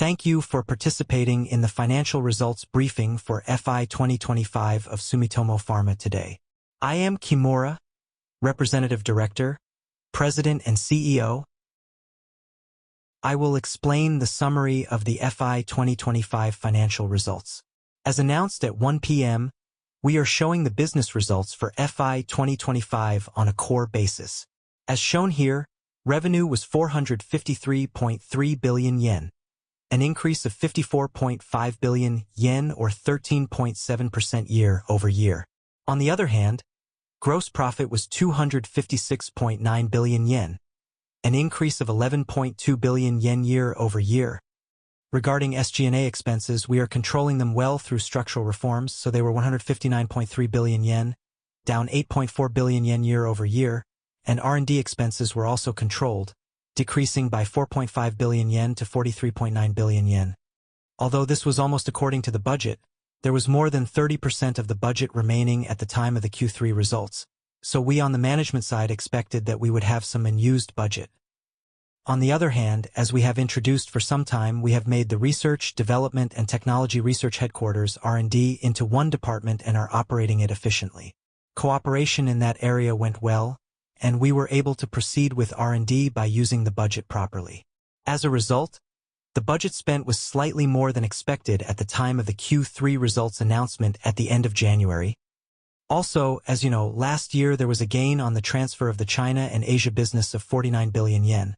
Thank you for participating in the financial results briefing for FY 2025 of Sumitomo Pharma today. I am Kimura, Representative Director, President and CEO. I will explain the summary of the FY 2025 financial results. As announced at 1:00 P.M., we are showing the business results for FY 2025 on a core basis. As shown here, revenue was 453.3 billion yen, an increase of 54.5 billion yen or 13.7% year-over-year. On the other hand, gross profit was 256.9 billion yen, an increase of 11.2 billion yen year-over-year. Regarding SG&A expenses, we are controlling them well through structural reforms. They were 159.3 billion yen, down 8.4 billion yen year-over-year, and R&D expenses were also controlled, decreasing by 4.5 billion yen to 43.9 billion yen. This was almost according to the budget. There was more than 30% of the budget remaining at the time of the Q3 results. We on the management side expected that we would have some unused budget. As we have introduced for some time, we have made the research, development, and technology research headquarters R&D into one department and are operating it efficiently. Cooperation in that area went well. We were able to proceed with R&D by using the budget properly. As a result, the budget spent was slightly more than expected at the time of the Q3 results announcement at the end of January. As you know, last year there was a gain on the transfer of the China and Asia business of 49 billion yen.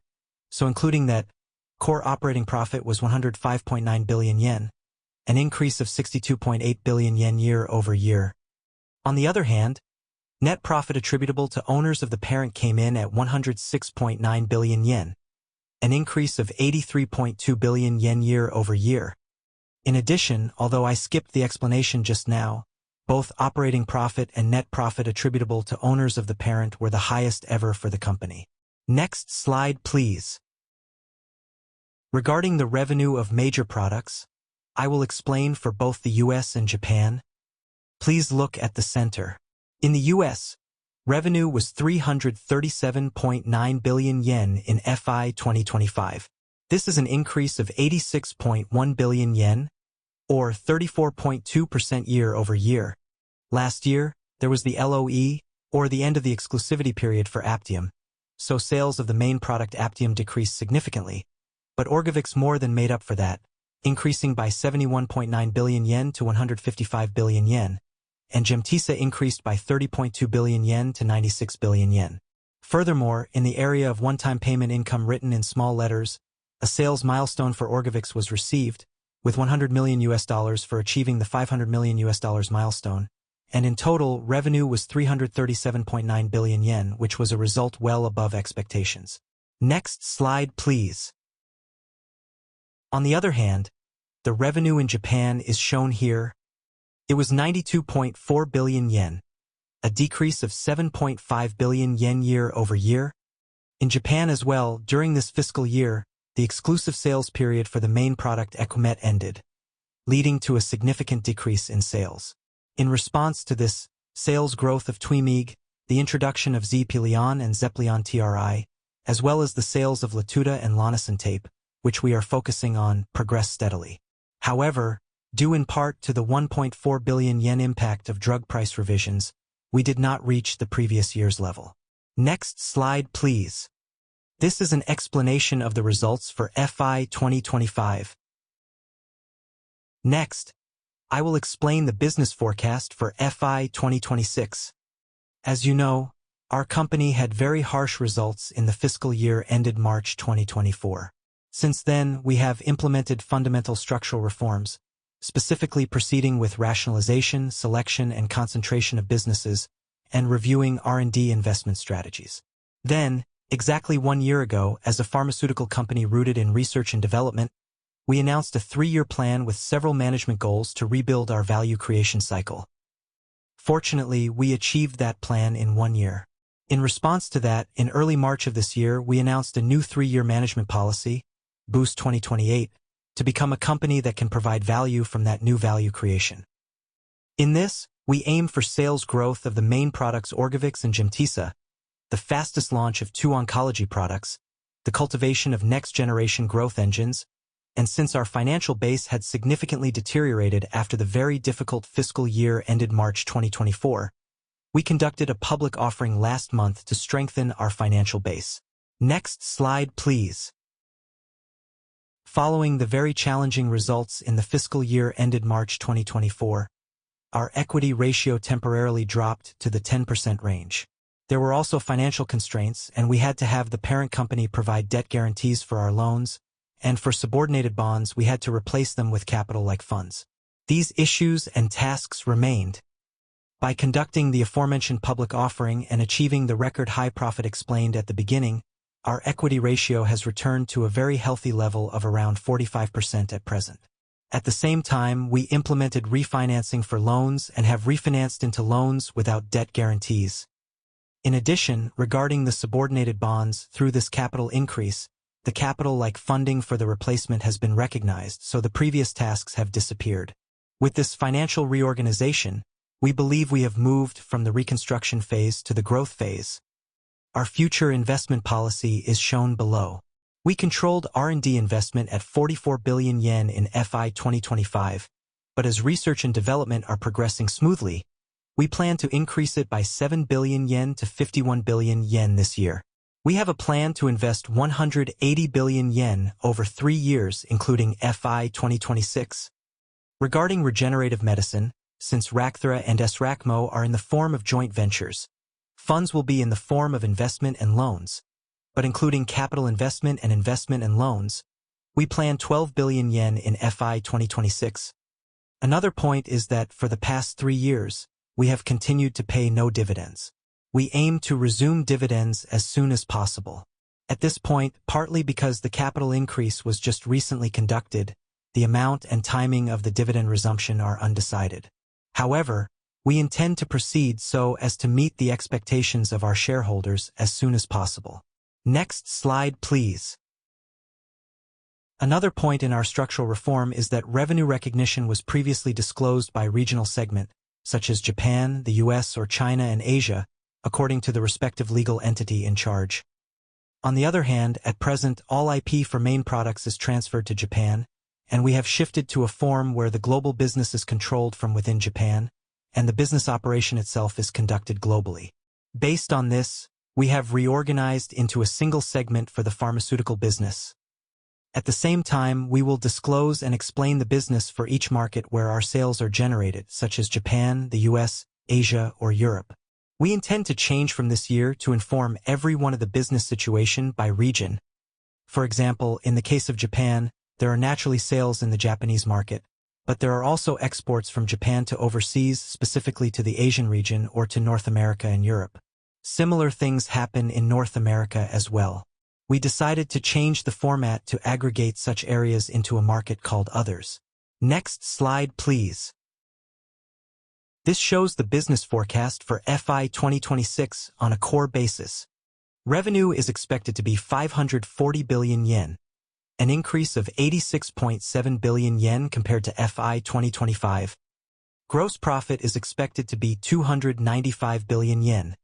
Including that, core operating profit was 105.9 billion yen, an increase of 62.8 billion yen year-over-year. On the other hand, net profit attributable to owners of the parent came in at 106.9 billion yen, an increase of 83.2 billion yen year-over-year. In addition, although I skipped the explanation just now, both operating profit and net profit attributable to owners of the parent were the highest ever for the company. Next slide, please. Regarding the revenue of major products, I will explain for both the U.S. and Japan. Please look at the center. In the U.S., revenue was 337.9 billion yen in FY 2025. This is an increase of 86.1 billion yen or 34.2% year-over-year. Last year, there was the LOE or the end of the exclusivity period for APTIOM. Sales of the main product APTIOM decreased significantly, but ORGOVYX more than made up for that, increasing by 71.9 billion yen to 155 billion yen, and GEMTESA increased by 30.2 billion yen to 96 billion yen. In the area of one-time payment income written in small letters, a sales milestone for ORGOVYX was received with $100 million for achieving the $500 million milestone, and in total, revenue was 337.9 billion yen, which was a result well above expectations. Next slide, please. The revenue in Japan is shown here. It was 92.4 billion yen, a decrease of 7.5 billion yen year-over-year. In Japan as well, during this fiscal year, the exclusive sales period for the main product EquMet ended, leading to a significant decrease in sales. In response to this, sales growth of TWYMEEG, the introduction of XEPLION and XEPLION TRI, as well as the sales of LATUDA and LONASEN Tape, which we are focusing on, progressed steadily. However, due in part to the 1.4 billion yen impact of drug price revisions, we did not reach the previous year's level. Next slide, please. This is an explanation of the results for FY 2025. Next, I will explain the business forecast for FY 2026. As you know, our company had very harsh results in the fiscal year ended March 2024. Since then, we have implemented fundamental structural reforms, specifically proceeding with rationalization, selection, and concentration of businesses and reviewing R&D investment strategies. Exactly 1 year ago, as a pharmaceutical company rooted in research and development, we announced a three-year plan with several management goals to rebuild our value creation cycle. Fortunately, we achieved that plan in one year. In response to that, in early March of this year, we announced a new three-year management policy, Boost 2028, to become a company that can provide value from that new value creation. In this, we aim for sales growth of the main products ORGOVYX and GEMTESA, the fastest launch of two oncology products, the cultivation of next-generation growth engines, and since our financial base had significantly deteriorated after the very difficult fiscal year ended March 2024, we conducted a public offering last month to strengthen our financial base. Next slide, please. Following the very challenging results in the fiscal year ended March 2024, our equity ratio temporarily dropped to the 10% range. There were also financial constraints, and we had to have the parent company provide debt guarantees for our loans, and for subordinated bonds, we had to replace them with capital-like funds. These issues and tasks remained. By conducting the aforementioned public offering and achieving the record-high profit explained at the beginning, our equity ratio has returned to a very healthy level of around 45% at present. At the same time, we implemented refinancing for loans and have refinanced into loans without debt guarantees. Regarding the subordinated bonds, through this capital increase, the capital-like funding for the replacement has been recognized, so the previous tasks have disappeared. With this financial reorganization, we believe we have moved from the reconstruction phase to the growth phase. Our future investment policy is shown below. We controlled R&D investment at 44 billion yen in FY 2025, but as research and development are progressing smoothly, we plan to increase it by 7 billion yen to 51 billion yen this year. We have a plan to invest 180 billion yen over 3 years, including FY 2026. Regarding regenerative medicine, since RACTHERA and S-RACMO are in the form of joint ventures, funds will be in the form of investment and loans. Including capital investment and investment and loans, we plan 12 billion yen in FY 2026. Another point is that for the past three years, we have continued to pay no dividends. We aim to resume dividends as soon as possible. At this point, partly because the capital increase was just recently conducted, the amount and timing of the dividend resumption are undecided. We intend to proceed so as to meet the expectations of our shareholders as soon as possible. Next slide, please. Another point in our structural reform is that revenue recognition was previously disclosed by regional segment such as Japan, the U.S. or China and Asia, according to the respective legal entity in charge. On the other hand, at present, all IP for main products is transferred to Japan, and we have shifted to a form where the global business is controlled from within Japan and the business operation itself is conducted globally. Based on this, we have reorganized into a single segment for the pharmaceutical business. At the same time, we will disclose and explain the business for each market where our sales are generated, such as Japan, the U.S., Asia, or Europe. We intend to change from this year to inform everyone of the business situation by region. For example, in the case of Japan, there are naturally sales in the Japanese market, but there are also exports from Japan to overseas, specifically to the Asian region or to North America and Europe. Similar things happen in North America as well. We decided to change the format to aggregate such areas into a market called Others. Next slide, please. This shows the business forecast for FY 2026 on a core basis. Revenue is expected to be 540 billion yen, an increase of 86.7 billion yen compared to FY 2025. Gross profit is expected to be 295 billion yen,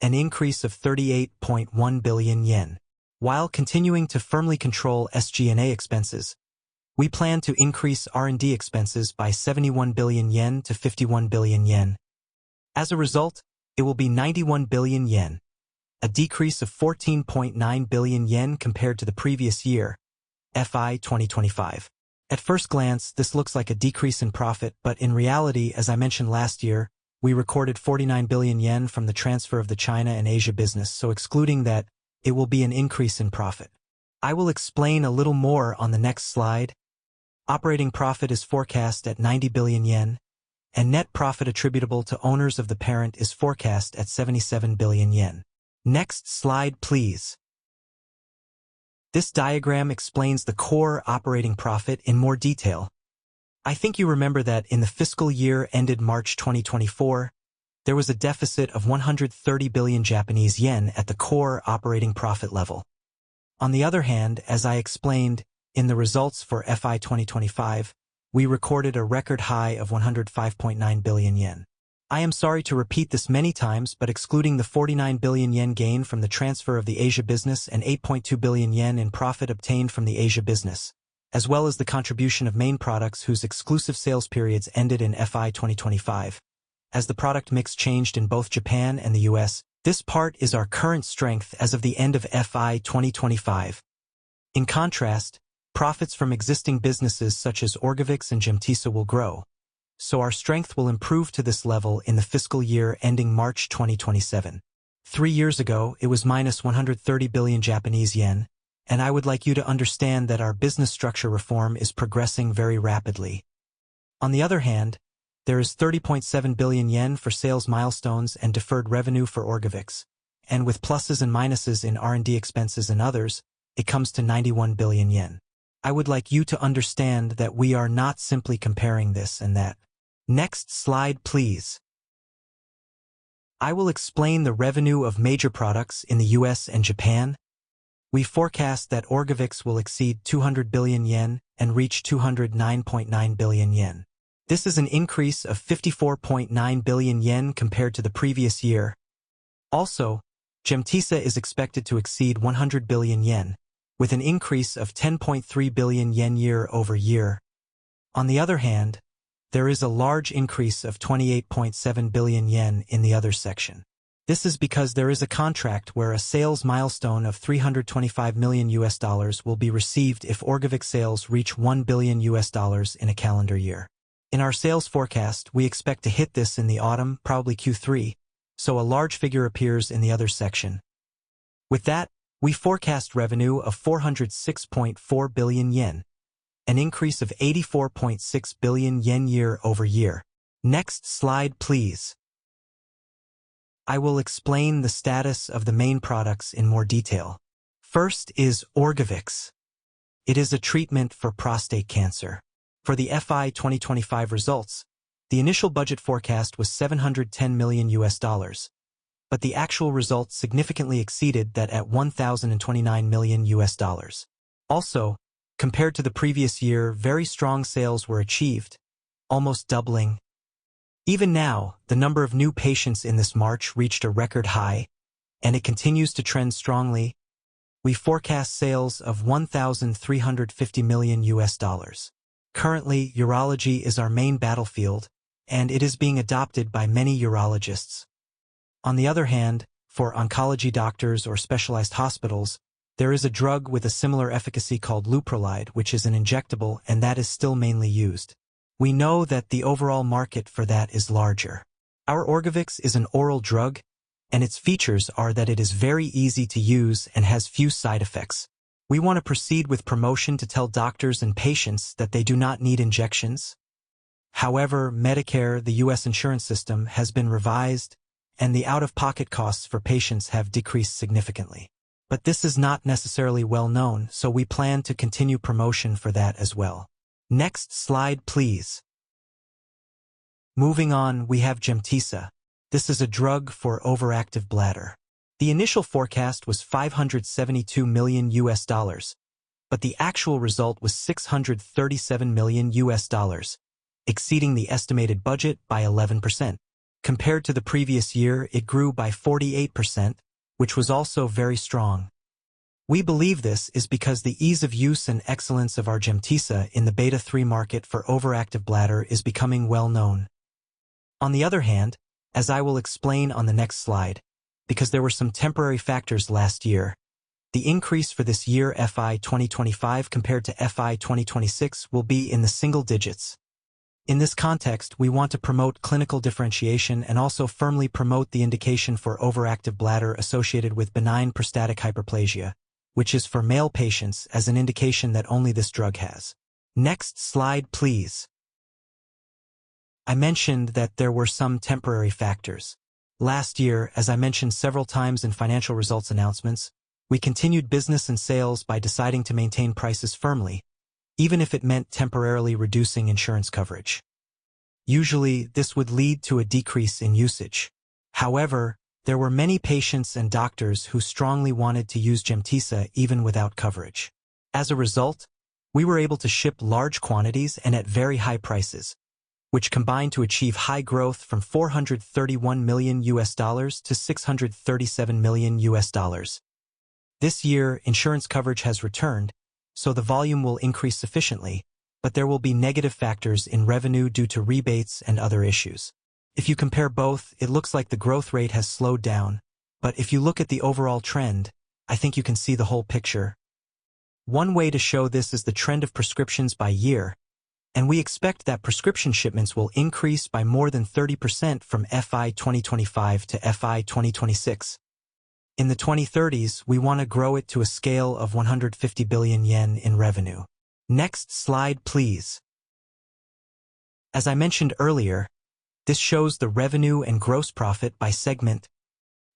an increase of 38.1 billion yen. While continuing to firmly control SG&A expenses, we plan to increase R&D expenses by 71 billion yen to 51 billion yen. As a result, it will be 91 billion yen, a decrease of 14.9 billion yen compared to the previous year, FY 2025. At first glance, this looks like a decrease in profit, but in reality, as I mentioned last year, we recorded 49 billion yen from the transfer of the China and Asia business, so excluding that it will be an increase in profit. I will explain a little more on the next slide. Operating profit is forecast at 90 billion yen, and net profit attributable to owners of the parent is forecast at 77 billion yen. Next slide, please. This diagram explains the core operating profit in more detail. I think you remember that in the fiscal year ended March 2024, there was a deficit of 130 billion Japanese yen at the core operating profit level. On the other hand, as I explained in the results for FY 2025, we recorded a record high of 105.9 billion yen. I am sorry to repeat this many times, but excluding the 49 billion yen gain from the transfer of the Asia business and 8.2 billion yen in profit obtained from the Asia business, as well as the contribution of main products whose exclusive sales periods ended in FY 2025. As the product mix changed in both Japan and the U.S., this part is our current strength as of the end of FY 2025. In contrast, profits from existing businesses such as ORGOVYX and GEMTESA will grow, so our strength will improve to this level in the fiscal year ending March 2027. Three years ago, it was minus 130 billion Japanese yen, and I would like you to understand that our business structure reform is progressing very rapidly. There is 30.7 billion yen for sales milestones and deferred revenue for ORGOVYX, and with pluses and minuses in R&D expenses and others, it comes to 91 billion yen. I would like you to understand that we are not simply comparing this and that. Next slide, please. I will explain the revenue of major products in the U.S. and Japan. We forecast that ORGOVYX will exceed 200 billion yen and reach 209.9 billion yen. This is an increase of 54.9 billion yen compared to the previous year. GEMTESA is expected to exceed 100 billion yen, with an increase of 10.3 billion yen year-over-year. There is a large increase of 28.7 billion yen in the other section. This is because there is a contract where a sales milestone of $325 million will be received if ORGOVYX sales reach $1 billion in a calendar year. In our sales forecast, we expect to hit this in the autumn, probably Q3. A large figure appears in the other section. With that, we forecast revenue of 406.4 billion yen, an increase of 84.6 billion yen year-over-year. Next slide, please. I will explain the status of the main products in more detail. First is ORGOVYX. It is a treatment for prostate cancer. For the FY 2025 results, the initial budget forecast was $710 million. The actual results significantly exceeded that at $1,029 million. Compared to the previous year, very strong sales were achieved, almost doubling. Even now, the number of new patients in this March reached a record high, and it continues to trend strongly. We forecast sales of $1,350 million. Currently, urology is our main battlefield, and it is being adopted by many urologists. For oncology doctors or specialized hospitals, there is a drug with a similar efficacy called leuprolide, which is an injectable, and that is still mainly used. We know that the overall market for that is larger. Our Orgovyx is an oral drug, and its features are that it is very easy to use and has few side effects. We want to proceed with promotion to tell doctors and patients that they do not need injections. Medicare, the U.S. insurance system, has been revised, and the out-of-pocket costs for patients have decreased significantly. This is not necessarily well known, so we plan to continue promotion for that as well. Next slide, please. Moving on, we have GEMTESA. This is a drug for overactive bladder. The initial forecast was $572 million, but the actual result was $637 million, exceeding the estimated budget by 11%. Compared to the previous year, it grew by 48%, which was also very strong. We believe this is because the ease of use and excellence of our GEMTESA in the beta-3 market for overactive bladder is becoming well known. As I will explain on the next slide, because there were some temporary factors last year, the increase for this year, FY 2025 compared to FY 2026, will be in the single digits. In this context, we want to promote clinical differentiation and also firmly promote the indication for overactive bladder associated with benign prostatic hyperplasia, which is for male patients as an indication that only this drug has. Next slide, please. I mentioned that there were some temporary factors. Last year, as I mentioned several times in financial results announcements, we continued business and sales by deciding to maintain prices firmly, even if it meant temporarily reducing insurance coverage. Usually, this would lead to a decrease in usage. However, there were many patients and doctors who strongly wanted to use GEMTESA even without coverage. As a result, we were able to ship large quantities and at very high prices, which combined to achieve high growth from $431 million to $637 million. This year, insurance coverage has returned, so the volume will increase sufficiently, but there will be negative factors in revenue due to rebates and other issues. If you compare both, it looks like the growth rate has slowed down. If you look at the overall trend, I think you can see the whole picture. One way to show this is the trend of prescriptions by year, and we expect that prescription shipments will increase by more than 30% from FY 2025 to FY 2026. In the 2030s, we want to grow it to a scale of 150 billion yen in revenue. Next slide, please. As I mentioned earlier, this shows the revenue and gross profit by segment.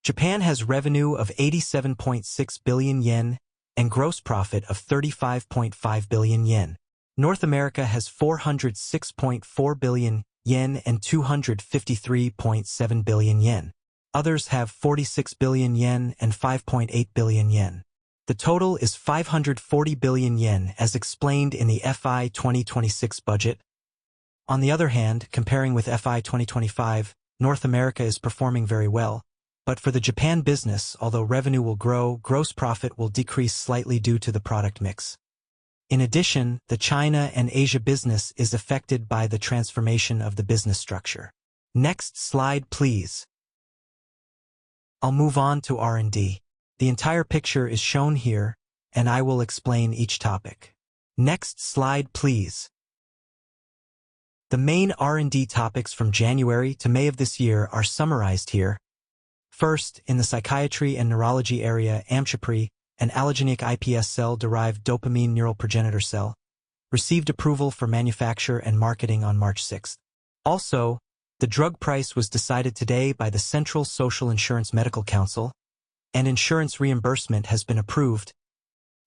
Japan has revenue of 87.6 billion yen and gross profit of 35.5 billion yen. North America has 406.4 billion yen and 253.7 billion yen. Others have 46 billion yen and 5.8 billion yen. The total is 540 billion yen as explained in the FY 2026 budget. On the other hand, comparing with FY 2025, North America is performing very well. For the Japan business, although revenue will grow, gross profit will decrease slightly due to the product mix. In addition, the China and Asia business is affected by the transformation of the business structure. Next slide, please. I'll move on to R&D. The entire picture is shown here, and I will explain each topic. Next slide, please. The main R&D topics from January to May of this year are summarized here. First, in the psychiatry and neurology area, Amchepry, an allogeneic iPS cell-derived dopamine neural progenitor cell, received approval for manufacture and marketing on March 6th. The drug price was decided today by the Central Social Insurance Medical Council, and insurance reimbursement has been approved.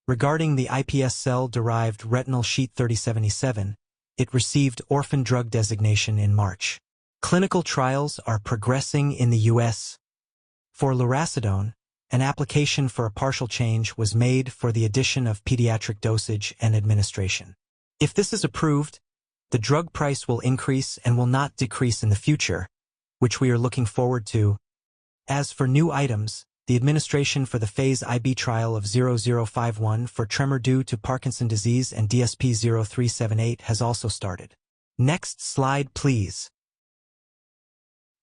Regarding the iPS cell-derived retinal sheet DSP-3077, it received orphan drug designation in March. Clinical trials are progressing in the U.S. For lurasidone, an application for a partial change was made for the addition of pediatric dosage and administration. If this is approved, the drug price will increase and will not decrease in the future, which we are looking forward to. As for new items, the administration for the phase I-B trial of 0051 for tremor due to Parkinson's disease and DSP-0378 has also started. Next slide, please.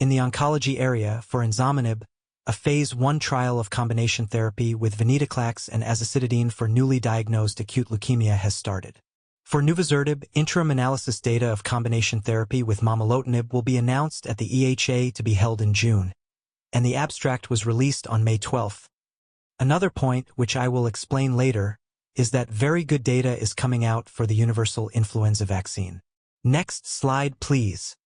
In the oncology area, for ensartinib, a phase I trial of combination therapy with venetoclax and azacitidine for newly diagnosed acute leukemia has started. For nuvisertib, interim analysis data of combination therapy with momelotinib will be announced at the EHA to be held in June, and the abstract was released on May 12. Another point, which I will explain later, is that very good data is coming out for the universal influenza vaccine. Next slide, please.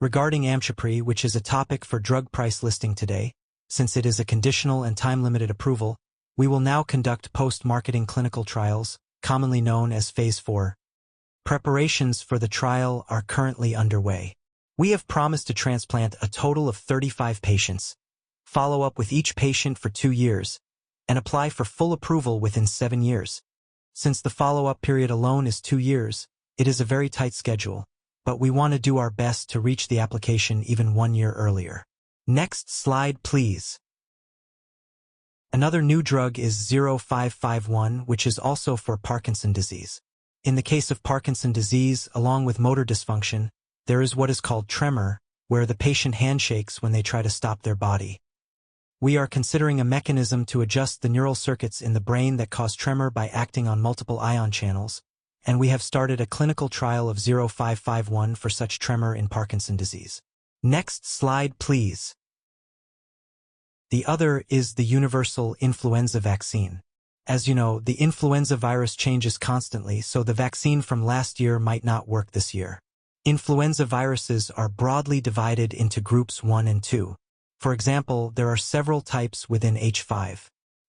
Regarding Amchepry, which is a topic for drug price listing today, since it is a conditional and time-limited approval, we will now conduct post-marketing clinical trials, commonly known as phase IV. Preparations for the trial are currently underway. We have promised to transplant a total of 35 patients. Follow up with each patient for two years and apply for full approval within seven years. Since the follow-up period alone is two years, it is a very tight schedule. We want to do our best to reach the application even one year earlier. Next slide, please. Another new drug is 0051, which is also for Parkinson's disease. In the case of Parkinson's disease, along with motor dysfunction, there is what is called tremor, where the patient handshakes when they try to stop their body. We are considering a mechanism to adjust the neural circuits in the brain that cause tremor by acting on multiple ion channels. We have started a clinical trial of 0051 for such tremor in Parkinson's disease. Next slide, please. The other is the universal influenza vaccine. As you know, the influenza virus changes constantly. The vaccine from last year might not work this year. Influenza viruses are broadly divided into groups one and two. For example, there are several types within H5.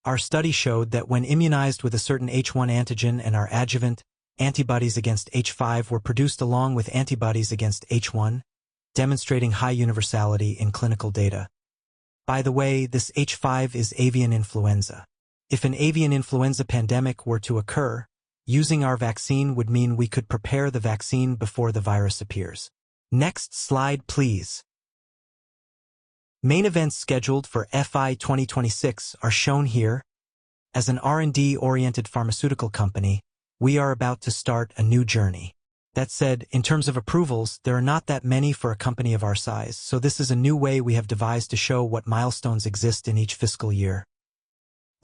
Our study showed that when immunized with a certain H1 antigen in our adjuvant, antibodies against H5 were produced along with antibodies against H1, demonstrating high universality in clinical data. By the way, this H5 is avian influenza. If an avian influenza pandemic were to occur, using our vaccine would mean we could prepare the vaccine before the virus appears. Next slide, please. Main events scheduled for FY 2026 are shown here. As an R&D-oriented pharmaceutical company, we are about to start a new journey. That said, in terms of approvals, there are not that many for a company of our size, so this is a new way we have devised to show what milestones exist in each fiscal year.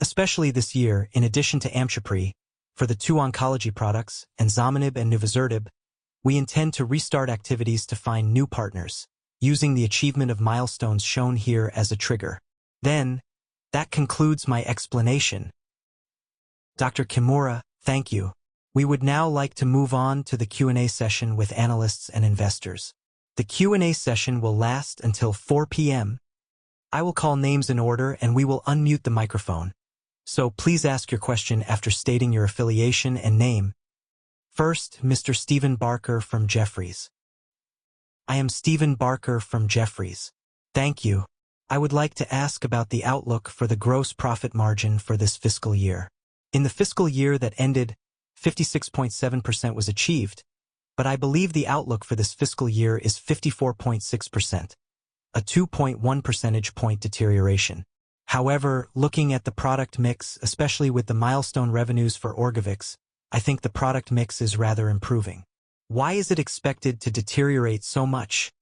Especially this year, in addition to Amchepry, for the two oncology products, enzomenib and nuvisertib, we intend to restart activities to find new partners using the achievement of milestones shown here as a trigger. That concludes my explanation. Dr. Kimura, thank you. We would now like to move on to the Q&A session with analysts and investors. The Q&A session will last until 4:00 P.M. I will call names in order, and we will unmute the microphone. Please ask your question after stating your affiliation and name. First, Mr. Steven Barker from Jefferies. I am Steven Barker from Jefferies. Thank you. I would like to ask about the outlook for the gross profit margin for this fiscal year. In the fiscal year that ended, 56.7% was achieved. I believe the outlook for this fiscal year is 54.6%, a 2.1 percentage point deterioration. Looking at the product mix, especially with the milestone revenues for ORGOVYX, I think the product mix is rather improving. Why is it expected to deteriorate so much?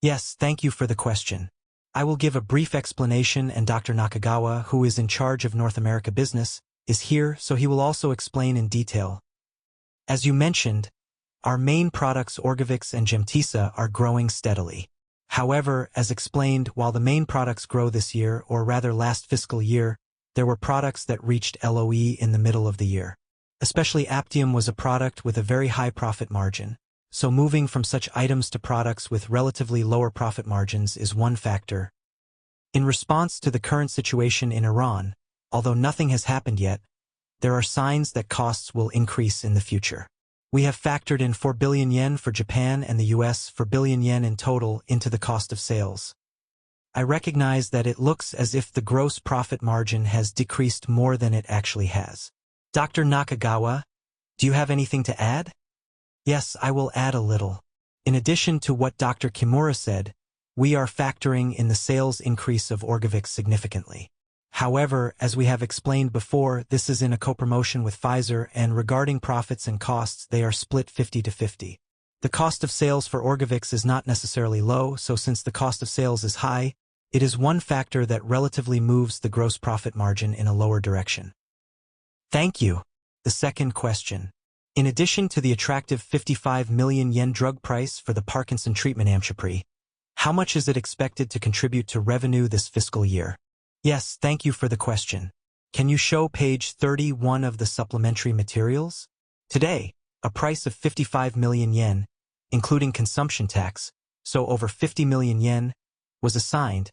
Yes, thank you for the question. I will give a brief explanation. Dr. Nakagawa, who is in charge of North America business, is here. He will also explain in detail. As you mentioned, our main products ORGOVYX and GEMTESA are growing steadily. As explained, while the main products grow this year, or rather last fiscal year, there were products that reached LOE in the middle of the year. Especially APTIOM was a product with a very high profit margin, so moving from such items to products with relatively lower profit margins is one factor. In response to the current situation in Iran, although nothing has happened yet, there are signs that costs will increase in the future. We have factored in 4 billion yen for Japan and the U.S., 4 billion yen in total, into the cost of sales. I recognize that it looks as if the gross profit margin has decreased more than it actually has. Dr. Nakagawa, do you have anything to add? Yes, I will add a little. In addition to what Dr. Kimura said, we are factoring in the sales increase of ORGOVYX significantly. However, as we have explained before, this is in a co-promotion with Pfizer, and regarding profits and costs, they are split 50/50. The cost of sales for ORGOVYX is not necessarily low, since the cost of sales is high, it is one factor that relatively moves the gross profit margin in a lower direction. Thank you. The second question. In addition to the attractive 55 million yen drug price for the Parkinson's treatment Amchepry, how much is it expected to contribute to revenue this fiscal year? Yes, thank you for the question. Can you show page 31 of the supplementary materials? Today, a price of 55 million yen, including consumption tax, so over 50 million yen, was assigned,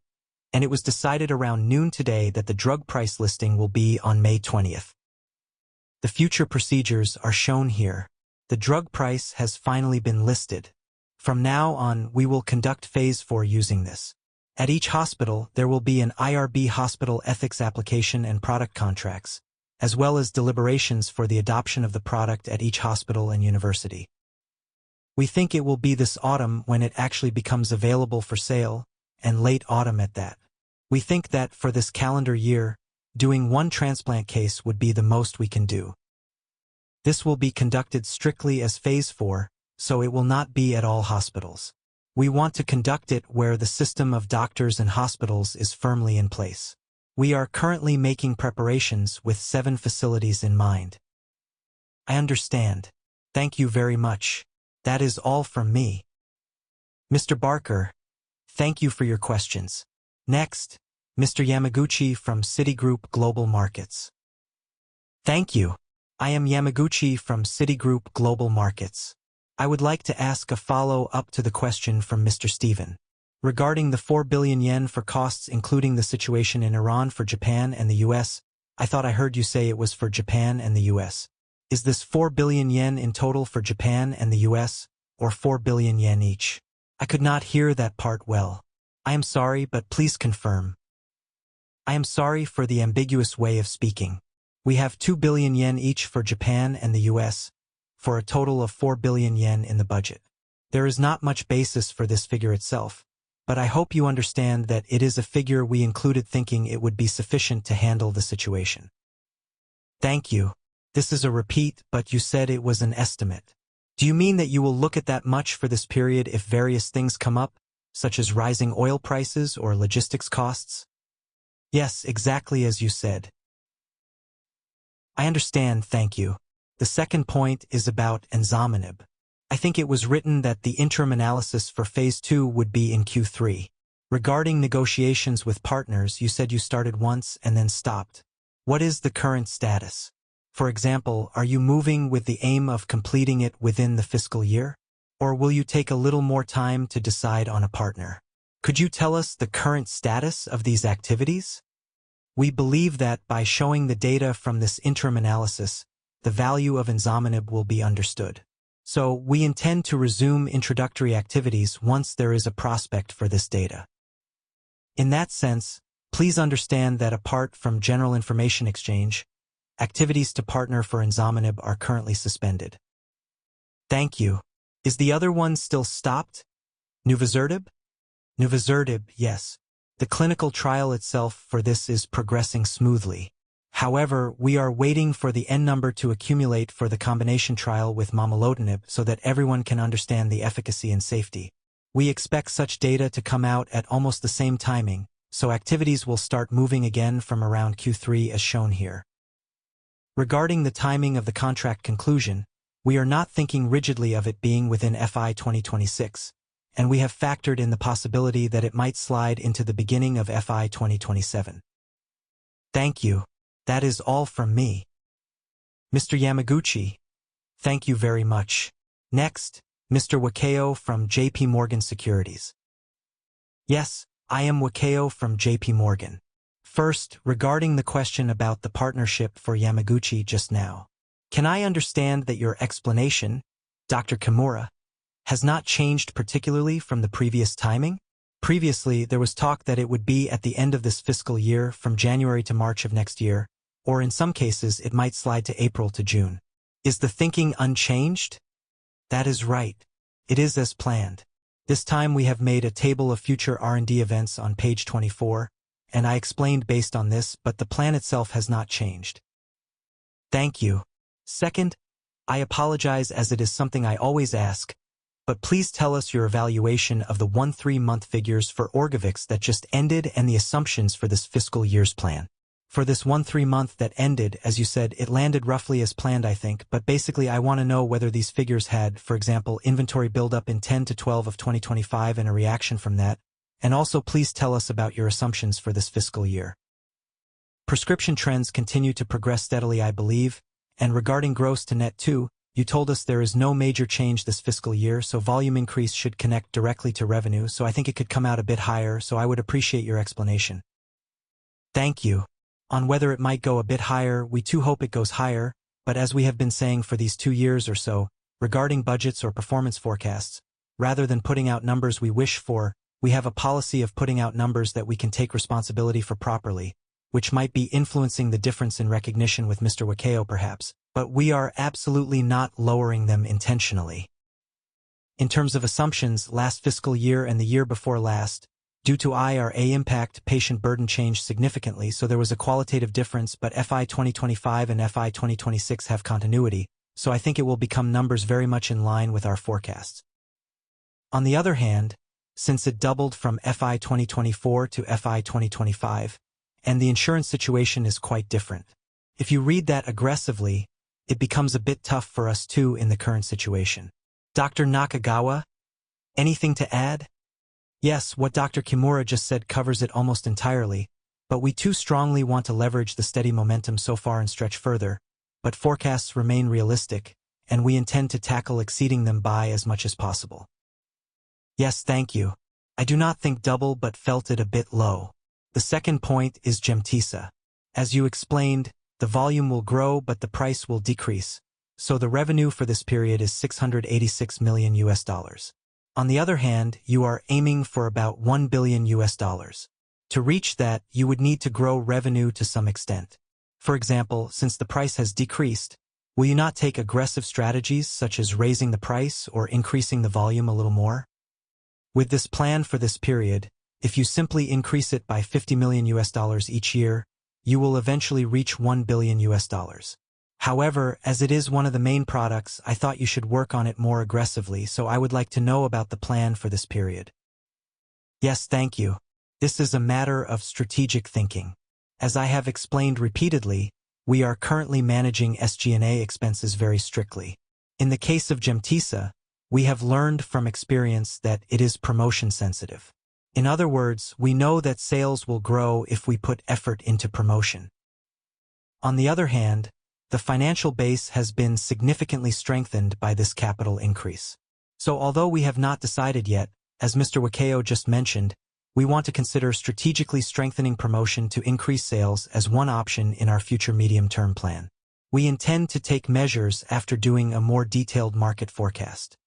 and it was decided around noon today that the drug price listing will be on May 20th. The future procedures are shown here. The drug price has finally been listed. From now on, we will conduct phase IV using this. At each hospital, there will be an IRB hospital ethics application and product contracts, as well as deliberations for the adoption of the product at each hospital and university. We think it will be this autumn when it actually becomes available for sale, and late autumn at that. We think that for this calendar year, doing one transplant case would be the most we can do. This will be conducted strictly as phase IV. It will not be at all hospitals. We want to conduct it where the system of doctors and hospitals is firmly in place. We are currently making preparations with seven facilities in mind. I understand. Thank you very much. That is all from me. Mr. Barker, thank you for your questions. Mr. Yamaguchi from Citigroup Global Markets. Thank you. I am Yamaguchi from Citigroup Global Markets. I would like to ask a follow-up to the question from Mr. Steven. Regarding the 4 billion yen for costs, including the situation in Iran for Japan and the U.S., I thought I heard you say it was for Japan and the U.S. Is this 4 billion yen in total for Japan and the U.S. or 4 billion yen each? I could not hear that part well. I am sorry, please confirm. I am sorry for the ambiguous way of speaking. We have 2 billion yen each for Japan and the U.S., for a total of 4 billion yen in the budget. There is not much basis for this figure itself, I hope you understand that it is a figure we included thinking it would be sufficient to handle the situation. Thank you. This is a repeat, you said it was an estimate. Do you mean that you will look at that much for this period if various things come up, such as rising oil prices or logistics costs? Yes, exactly as you said. I understand, thank you. The second point is about enzomenib. I think it was written that the interim analysis for phase II would be in Q3. Regarding negotiations with partners, you said you started once and then stopped. What is the current status? For example, are you moving with the aim of completing it within the fiscal year? Will you take a little more time to decide on a partner? Could you tell us the current status of these activities? We believe that by showing the data from this interim analysis, the value of enzomenib will be understood. We intend to resume introductory activities once there is a prospect for this data. In that sense, please understand that apart from general information exchange, activities to partner for enzomenib are currently suspended. Thank you. Is the other one still stopped, nuvisertib? Nuvisertib. The clinical trial itself for this is progressing smoothly. We are waiting for the N number to accumulate for the combination trial with momelotinib so that everyone can understand the efficacy and safety. We expect such data to come out at almost the same timing. Activities will start moving again from around Q3 as shown here. Regarding the timing of the contract conclusion, we are not thinking rigidly of it being within FY 2026. We have factored in the possibility that it might slide into the beginning of FY 2027. Thank you. That is all from me. Mr. Yamaguchi, thank you very much. Next, Mr. Wakao from JPMorgan Securities. I am Wakao from JPMorgan. First, regarding the question about the partnership for Yamaguchi just now. Can I understand that your explanation, Dr. Kimura, has not changed particularly from the previous timing? Previously, there was talk that it would be at the end of this fiscal year, from January to March of next year, or in some cases, it might slide to April to June. Is the thinking unchanged? That is right. It is as planned. This time we have made a table of future R&D events on page 24, and I explained based on this, but the plan itself has not changed. Thank you. Second, I apologize as it is something I always ask, but please tell us your evaluation of the one, three-month figures for ORGOVYX that just ended and the assumptions for this fiscal year's plan. For this one, three-month that ended, as you said, it landed roughly as planned, I think. Basically, I want to know whether these figures had, for example, inventory buildup in 10-12 of 2025 and a reaction from that. Also, please tell us about your assumptions for this fiscal year. Prescription trends continue to progress steadily, I believe. Regarding gross to net too, you told us there is no major change this fiscal year, so volume increase should connect directly to revenue. I think it could come out a bit higher. I would appreciate your explanation. Thank you. On whether it might go a bit higher, we too hope it goes higher. As we have been saying for these two years or so, regarding budgets or performance forecasts, rather than putting out numbers we wish for, we have a policy of putting out numbers that we can take responsibility for properly, which might be influencing the difference in recognition with Mr. Wakao, perhaps. We are absolutely not lowering them intentionally. In terms of assumptions, last fiscal year and the year before last, due to IRA impact, patient burden changed significantly, so there was a qualitative difference, but FY 2025 and FY 2026 have continuity, so I think it will become numbers very much in line with our forecast. On the other hand, since it doubled from FY 2024 to FY 2025, and the insurance situation is quite different, if you read that aggressively, it becomes a bit tough for us too in the current situation. Dr. Nakagawa, anything to add? What Dr. Kimura just said covers it almost entirely, but we too strongly want to leverage the steady momentum so far and stretch further. Forecasts remain realistic, and we intend to tackle exceeding them by as much as possible. Thank you. I do not think double, but felt it a bit low. The second point is GEMTESA. As you explained, the volume will grow, but the price will decrease. The revenue for this period is $686 million. On the other hand, you are aiming for about $1 billion. To reach that, you would need to grow revenue to some extent. For example, since the price has decreased, will you not take aggressive strategies such as raising the price or increasing the volume a little more? With this plan for this period, if you simply increase it by $50 million each year, you will eventually reach $1 billion. As it is one of the main products, I thought you should work on it more aggressively, so I would like to know about the plan for this period. Yes, thank you. This is a matter of strategic thinking. As I have explained repeatedly, we are currently managing SG&A expenses very strictly. In the case of GEMTESA, we have learned from experience that it is promotion sensitive. We know that sales will grow if we put effort into promotion. On the other hand, the financial base has been significantly strengthened by this capital increase. Although we have not decided yet, as Mr. Wakao just mentioned, we want to consider strategically strengthening promotion to increase sales as one option in our future medium-term plan. We intend to take measures after doing a more detailed market forecast.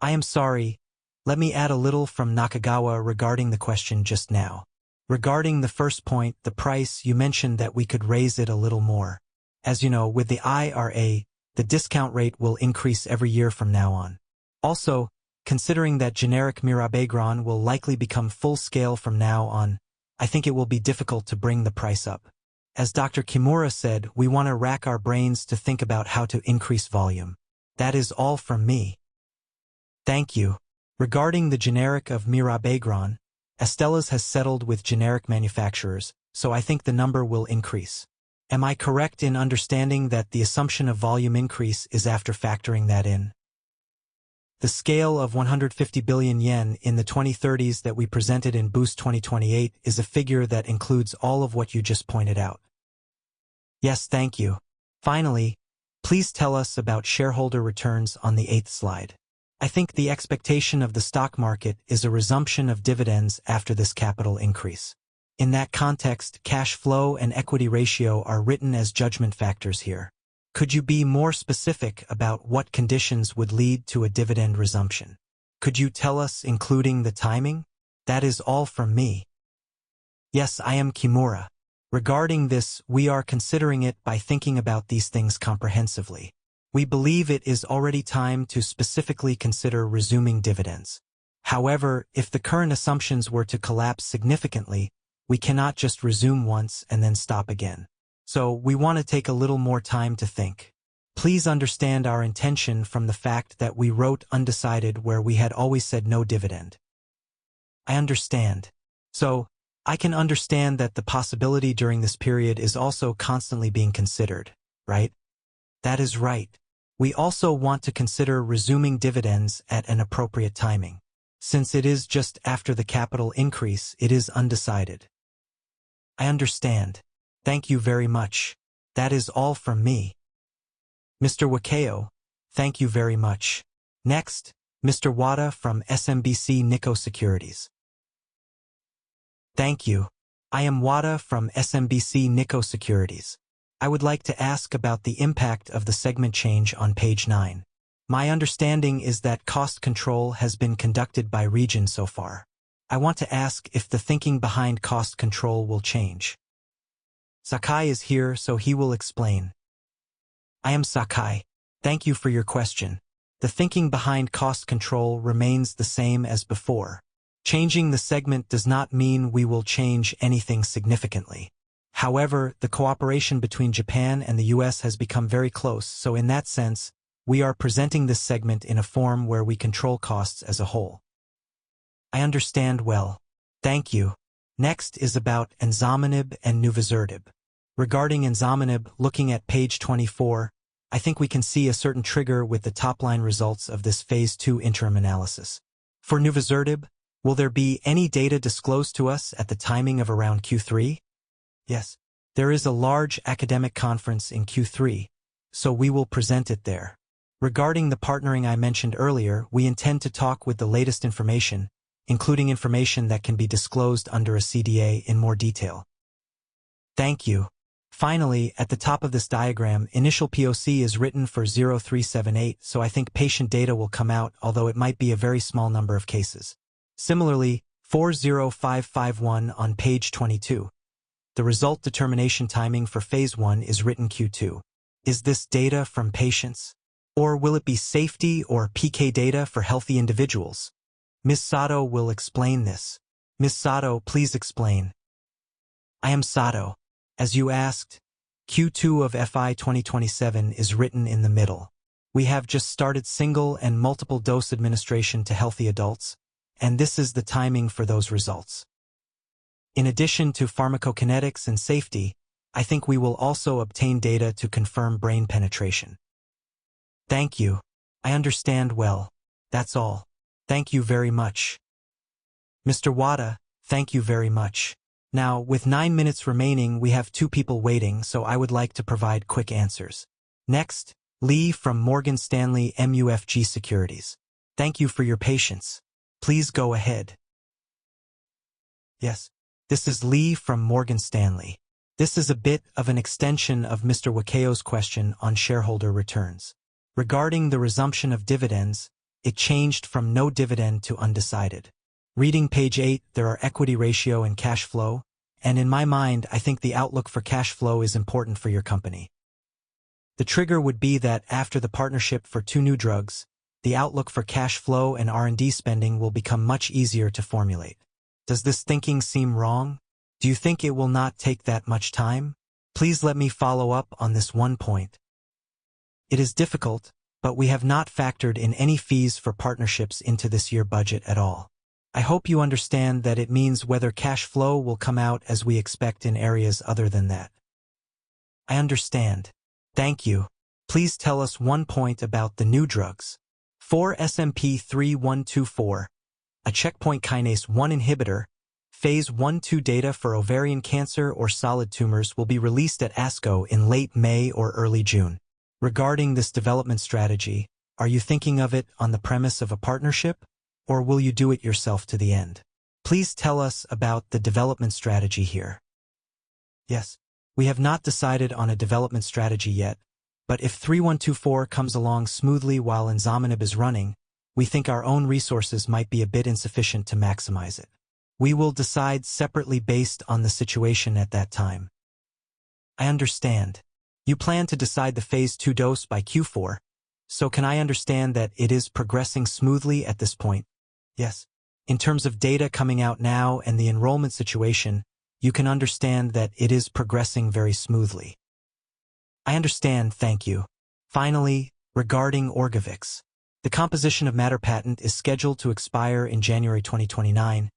I am sorry. Let me add a little from Nakagawa regarding the question just now. Regarding the first point, the price, you mentioned that we could raise it a little more. As you know, with the IRA, the discount rate will increase every year from now on. Also, considering that generic mirabegron will likely become full scale from now on, I think it will be difficult to bring the price up. As Dr. Kimura said, we want to rack our brains to think about how to increase volume. That is all from me. Thank you. Regarding the generic of mirabegron, Astellas has settled with generic manufacturers, I think the number will increase. Am I correct in understanding that the assumption of volume increase is after factoring that in? The scale of 150 billion yen in the 2030s that we presented in Boost 2028 is a figure that includes all of what you just pointed out. Yes, thank you. Finally, please tell us about shareholder returns on the 8th slide. I think the expectation of the stock market is a resumption of dividends after this capital increase. In that context, cash flow and equity ratio are written as judgment factors here. Could you be more specific about what conditions would lead to a dividend resumption? Could you tell us including the timing? That is all from me. Yes, I am Kimura. Regarding this, we are considering it by thinking about these things comprehensively. We believe it is already time to specifically consider resuming dividends. If the current assumptions were to collapse significantly, we cannot just resume once and then stop again. We want to take a little more time to think. Please understand our intention from the fact that we wrote undecided where we had always said no dividend. I understand. I can understand that the possibility during this period is also constantly being considered, right? That is right. We also want to consider resuming dividends at an appropriate timing. Since it is just after the capital increase, it is undecided. I understand. Thank you very much. That is all from me. Mr. Wakao, thank you very much. Next, Mr. Wada from SMBC Nikko Securities. Thank you. I am Wada from SMBC Nikko Securities. I would like to ask about the impact of the segment change on page 9. My understanding is that cost control has been conducted by region so far. I want to ask if the thinking behind cost control will change. Sakai is here, so he will explain. I am Sakai. Thank you for your question. The thinking behind cost control remains the same as before. Changing the segment does not mean we will change anything significantly. However, the cooperation between Japan and the U.S. has become very close, so in that sense, we are presenting this segment in a form where we control costs as a whole. I understand well. Thank you. Next is about ensartinib and nuvisertib. Regarding ensartinib, looking at page 24, I think we can see a certain trigger with the top-line results of this phase II interim analysis. For nuvisertib, will there be any data disclosed to us at the timing of around Q3? Yes. There is a large academic conference in Q3, so we will present it there. Regarding the partnering I mentioned earlier, we intend to talk with the latest information, including information that can be disclosed under a CDA in more detail. Thank you. Finally, at the top of this diagram, initial POC is written for DSP-0378, so I think patient data will come out, although it might be a very small number of cases. Similarly, 0051 on page 22, the result determination timing for phase I is written Q2. Is this data from patients? Or will it be safety or PK data for healthy individuals? Ms. Sato will explain this. Ms. Sato, please explain. I am Sato. As you asked, Q2 of FY 2027 is written in the middle. We have just started single and multiple dose administration to healthy adults, and this is the timing for those results. In addition to pharmacokinetics and safety, I think we will also obtain data to confirm brain penetration. Thank you. I understand well. That's all. Thank you very much. Mr. Wada, thank you very much. With nine minutes remaining, we have two people waiting, so I would like to provide quick answers. Next, Lee from Morgan Stanley MUFG Securities. Thank you for your patience. Please go ahead. Yes. This is Lee from Morgan Stanley. This is a bit of an extension of Mr. Wakao's question on shareholder returns. Regarding the resumption of dividends, it changed from no dividend to undecided. Reading page eight, there are equity ratio and cash flow. In my mind, I think the outlook for cash flow is important for your company. The trigger would be that after the partnership for two new drugs, the outlook for cash flow and R&D spending will become much easier to formulate. Does this thinking seem wrong? Do you think it will not take that much time? Please let me follow up on this one point. It is difficult. We have not factored in any fees for partnerships into this year budget at all. I hope you understand that it means whether cash flow will come out as we expect in areas other than that. I understand. Thank you. Please tell us one point about the new drugs. For SMP-3124 a checkpoint kinase 1 inhibitor, phase I/II data for ovarian cancer or solid tumors will be released at ASCO in late May or early June. Regarding this development strategy, are you thinking of it on the premise of a partnership, or will you do it yourself to the end? Please tell us about the development strategy here. Yes. We have not decided on a development strategy yet. If 3124 comes along smoothly while enzomenib is running, we think our own resources might be a bit insufficient to maximize it. We will decide separately based on the situation at that time. I understand. You plan to decide the phase II dose by Q4, so can I understand that it is progressing smoothly at this point? Yes. In terms of data coming out now and the enrollment situation, you can understand that it is progressing very smoothly. I understand. Thank you. Finally, regarding Orgovyx. The composition of matter patent is scheduled to expire in January 2029,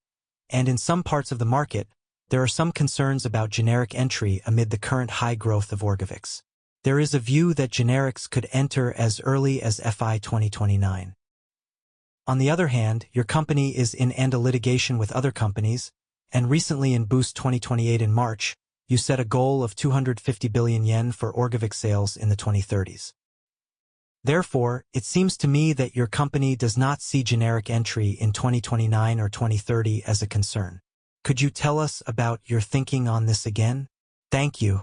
and in some parts of the market, there are some concerns about generic entry amid the current high growth of Orgovyx. There is a view that generics could enter as early as FY 2029. Your company is in ANDA litigation with other companies, and recently in Boost 2028 in March, you set a goal of 250 billion yen for Orgovyx sales in the 2030s. It seems to me that your company does not see generic entry in 2029 or 2030 as a concern. Could you tell us about your thinking on this again? Thank you.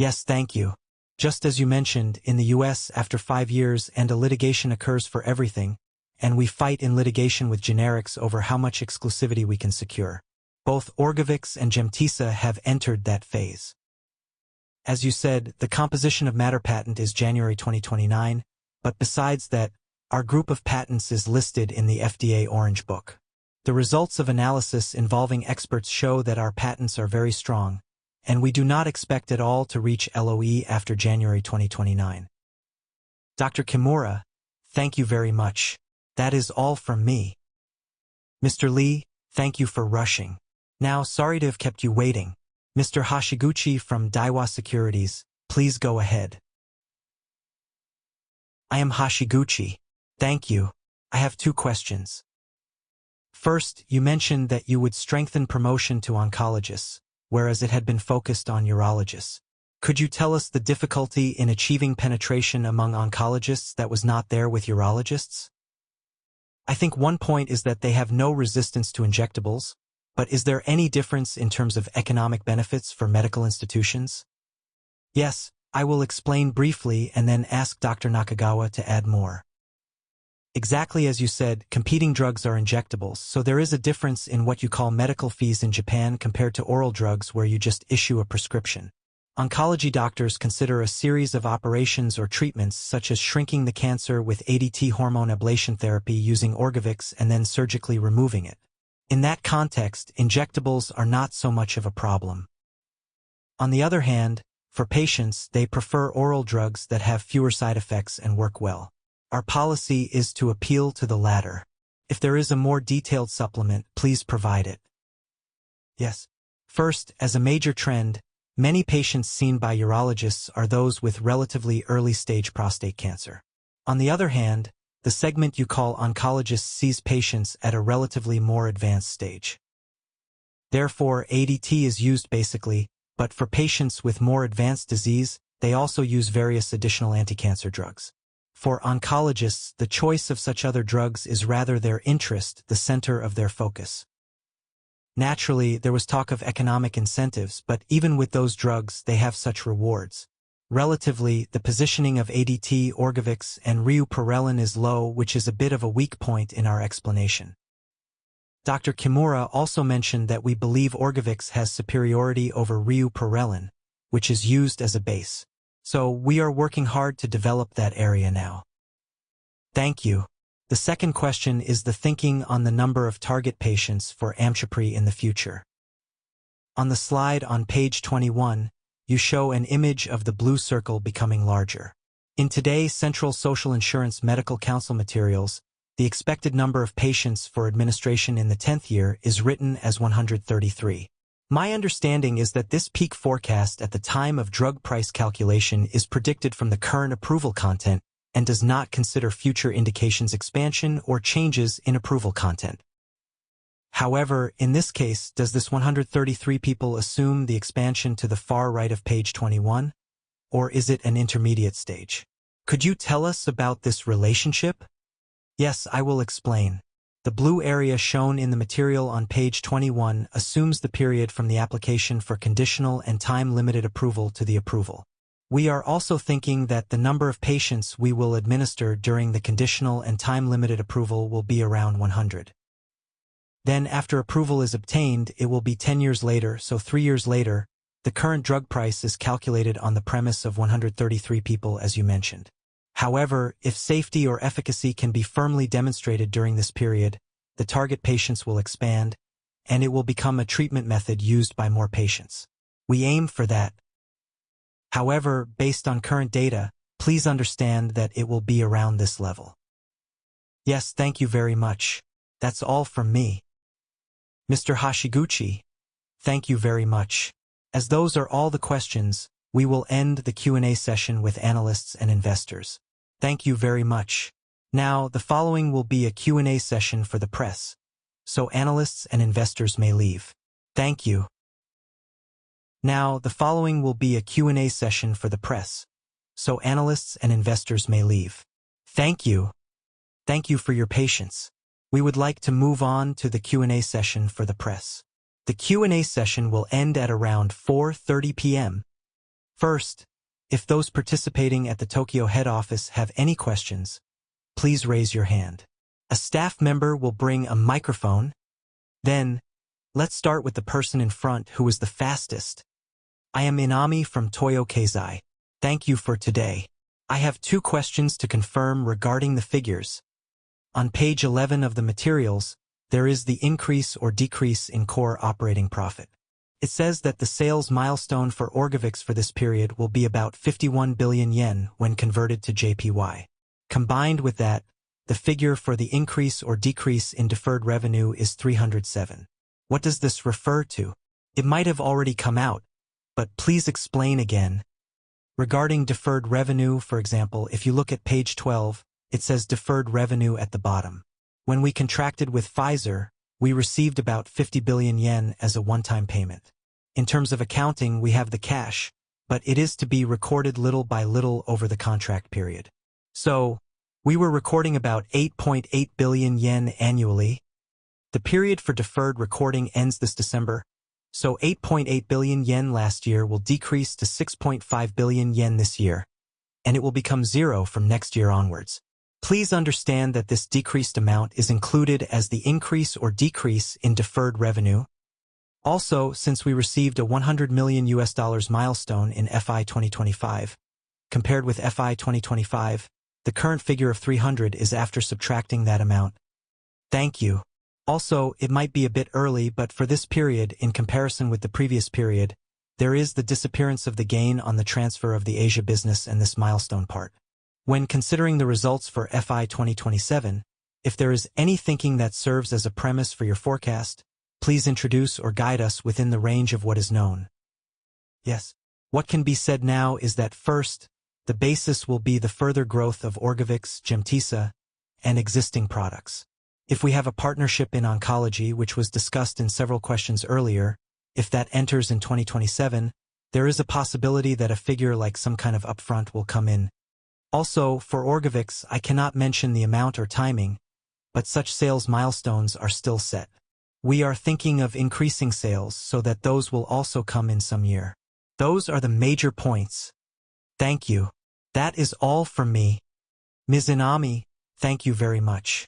Thank you. Just as you mentioned, in the U.S., after five years, ANDA litigation occurs for everything, and we fight in litigation with generics over how much exclusivity we can secure. Both ORGOVYX and GEMTESA have entered that phase. As you said, the composition of matter patent is January 2029. Besides that, our group of patents is listed in the FDA Orange Book. The results of analysis involving experts show that our patents are very strong, and we do not expect at all to reach LOE after January 2029. Dr. Kimura, thank you very much. That is all from me. Mr. Lee, thank you for rushing. Sorry to have kept you waiting. Mr. Hashiguchi from Daiwa Securities, please go ahead. I am Hashiguchi. Thank you. I have two questions. First, you mentioned that you would strengthen promotion to oncologists, whereas it had been focused on urologists. Could you tell us the difficulty in achieving penetration among oncologists that was not there with urologists? I think one point is that they have no resistance to injectables, but is there any difference in terms of economic benefits for medical institutions? I will explain briefly and then ask Dr. Nakagawa to add more. Exactly as you said, competing drugs are injectables, so there is a difference in what you call medical fees in Japan compared to oral drugs where you just issue a prescription. Oncology doctors consider a series of operations or treatments such as shrinking the cancer with ADT hormone ablation therapy using ORGOVYX and then surgically removing it. In that context, injectables are not so much of a problem. On the other hand, for patients, they prefer oral drugs that have fewer side effects and work well. Our policy is to appeal to the latter. If there is a more detailed supplement, please provide it. Yes. First, as a major trend, many patients seen by urologists are those with relatively early-stage prostate cancer. The segment you call oncologists sees patients at a relatively more advanced stage. ADT is used basically, but for patients with more advanced disease, they also use various additional anticancer drugs. For oncologists, the choice of such other drugs is rather their interest, the center of their focus. There was talk of economic incentives, but even with those drugs, they have such rewards. The positioning of ADT, ORGOVYX, and leuprolide is low, which is a bit of a weak point in our explanation. Dr. Kimura also mentioned that we believe ORGOVYX has superiority over leuprolide, which is used as a base. We are working hard to develop that area now. Thank you. The second question is the thinking on the number of target patients for Amchepry in the future. On the slide on page 21, you show an image of the blue circle becoming larger. In today's Central Social Insurance Medical Council materials, the expected number of patients for administration in the tenth year is written as 133. My understanding is that this peak forecast at the time of drug price calculation is predicted from the current approval content and does not consider future indications expansion or changes in approval content. In this case, does this 133 people assume the expansion to the far right of page 21, or is it an intermediate stage? Could you tell us about this relationship? Yes, I will explain. The blue area shown in the material on page 21 assumes the period from the application for conditional and time-limited approval to the approval. We are also thinking that the number of patients we will administer during the conditional and time-limited approval will be around 100. After approval is obtained, it will be 10 years later, so three years later, the current drug price is calculated on the premise of 133 people as you mentioned. If safety or efficacy can be firmly demonstrated during this period, the target patients will expand, and it will become a treatment method used by more patients. We aim for that. Based on current data, please understand that it will be around this level. Yes, thank you very much. That's all from me. Mr. Hashiguchi, thank you very much. As those are all the questions, we will end the Q&A session with analysts and investors. Thank you very much. The following will be a Q&A session for the press, so analysts and investors may leave. Thank you. The following will be a Q&A session for the press, so analysts and investors may leave. Thank you. Thank you for your patience. We would like to move on to the Q&A session for the press. The Q&A session will end at around 4:30 P.M. First, if those participating at the Tokyo head office have any questions, please raise your hand. A staff member will bring a microphone. Let's start with the person in front who was the fastest. I am Inami from Toyo Keizai. Thank you for today. I have two questions to confirm regarding the figures. On page 11 of the materials, there is the increase or decrease in core operating profit. It says that the sales milestone for ORGOVYX for this period will be about 51 billion yen when converted to JPY. Combined with that, the figure for the increase or decrease in deferred revenue is 307. What does this refer to? It might have already come out, but please explain again. Regarding deferred revenue, for example, if you look at page 12, it says deferred revenue at the bottom. When we contracted with Pfizer, we received about 50 billion yen as a one-time payment. In terms of accounting, we have the cash, but it is to be recorded little by little over the contract period. We were recording about 8.8 billion yen annually. The period for deferred recording ends this December. 8.8 billion yen last year will decrease to 6.5 billion yen this year, and it will become zero from next year onwards. Please understand that this decreased amount is included as the increase or decrease in deferred revenue. Since we received a $100 million milestone in FY2025, compared with FY2025, the current figure of 300 is after subtracting that amount. Thank you. It might be a bit early, but for this period, in comparison with the previous period, there is the disappearance of the gain on the transfer of the Asia business and this milestone part. When considering the results for FY2027, if there is any thinking that serves as a premise for your forecast, please introduce or guide us within the range of what is known. Yes. What can be said now is that first, the basis will be the further growth of ORGOVYX, GEMTESA, and existing products. If we have a partnership in oncology, which was discussed in several questions earlier, if that enters in 2027, there is a possibility that a figure like some kind of upfront will come in. For ORGOVYX, I cannot mention the amount or timing, but such sales milestones are still set. We are thinking of increasing sales so that those will also come in some year. Those are the major points. Thank you. That is all from me. Ms. Inami, thank you very much.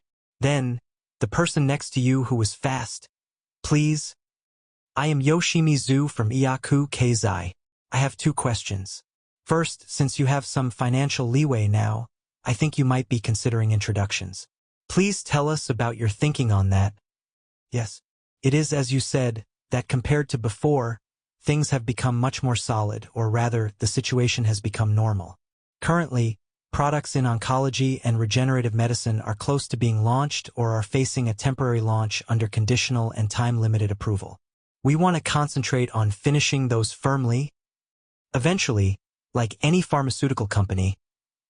The person next to you who was fast, please. I am Yoshimizu from Yomiuri Keizai. I have two questions. First, since you have some financial leeway now, I think you might be considering introductions. Please tell us about your thinking on that. Yes. It is as you said, that compared to before, things have become much more solid, or rather, the situation has become normal. Currently, products in oncology and regenerative medicine are close to being launched or are facing a temporary launch under conditional and time-limited approval. We want to concentrate on finishing those firmly. Eventually, like any pharmaceutical company,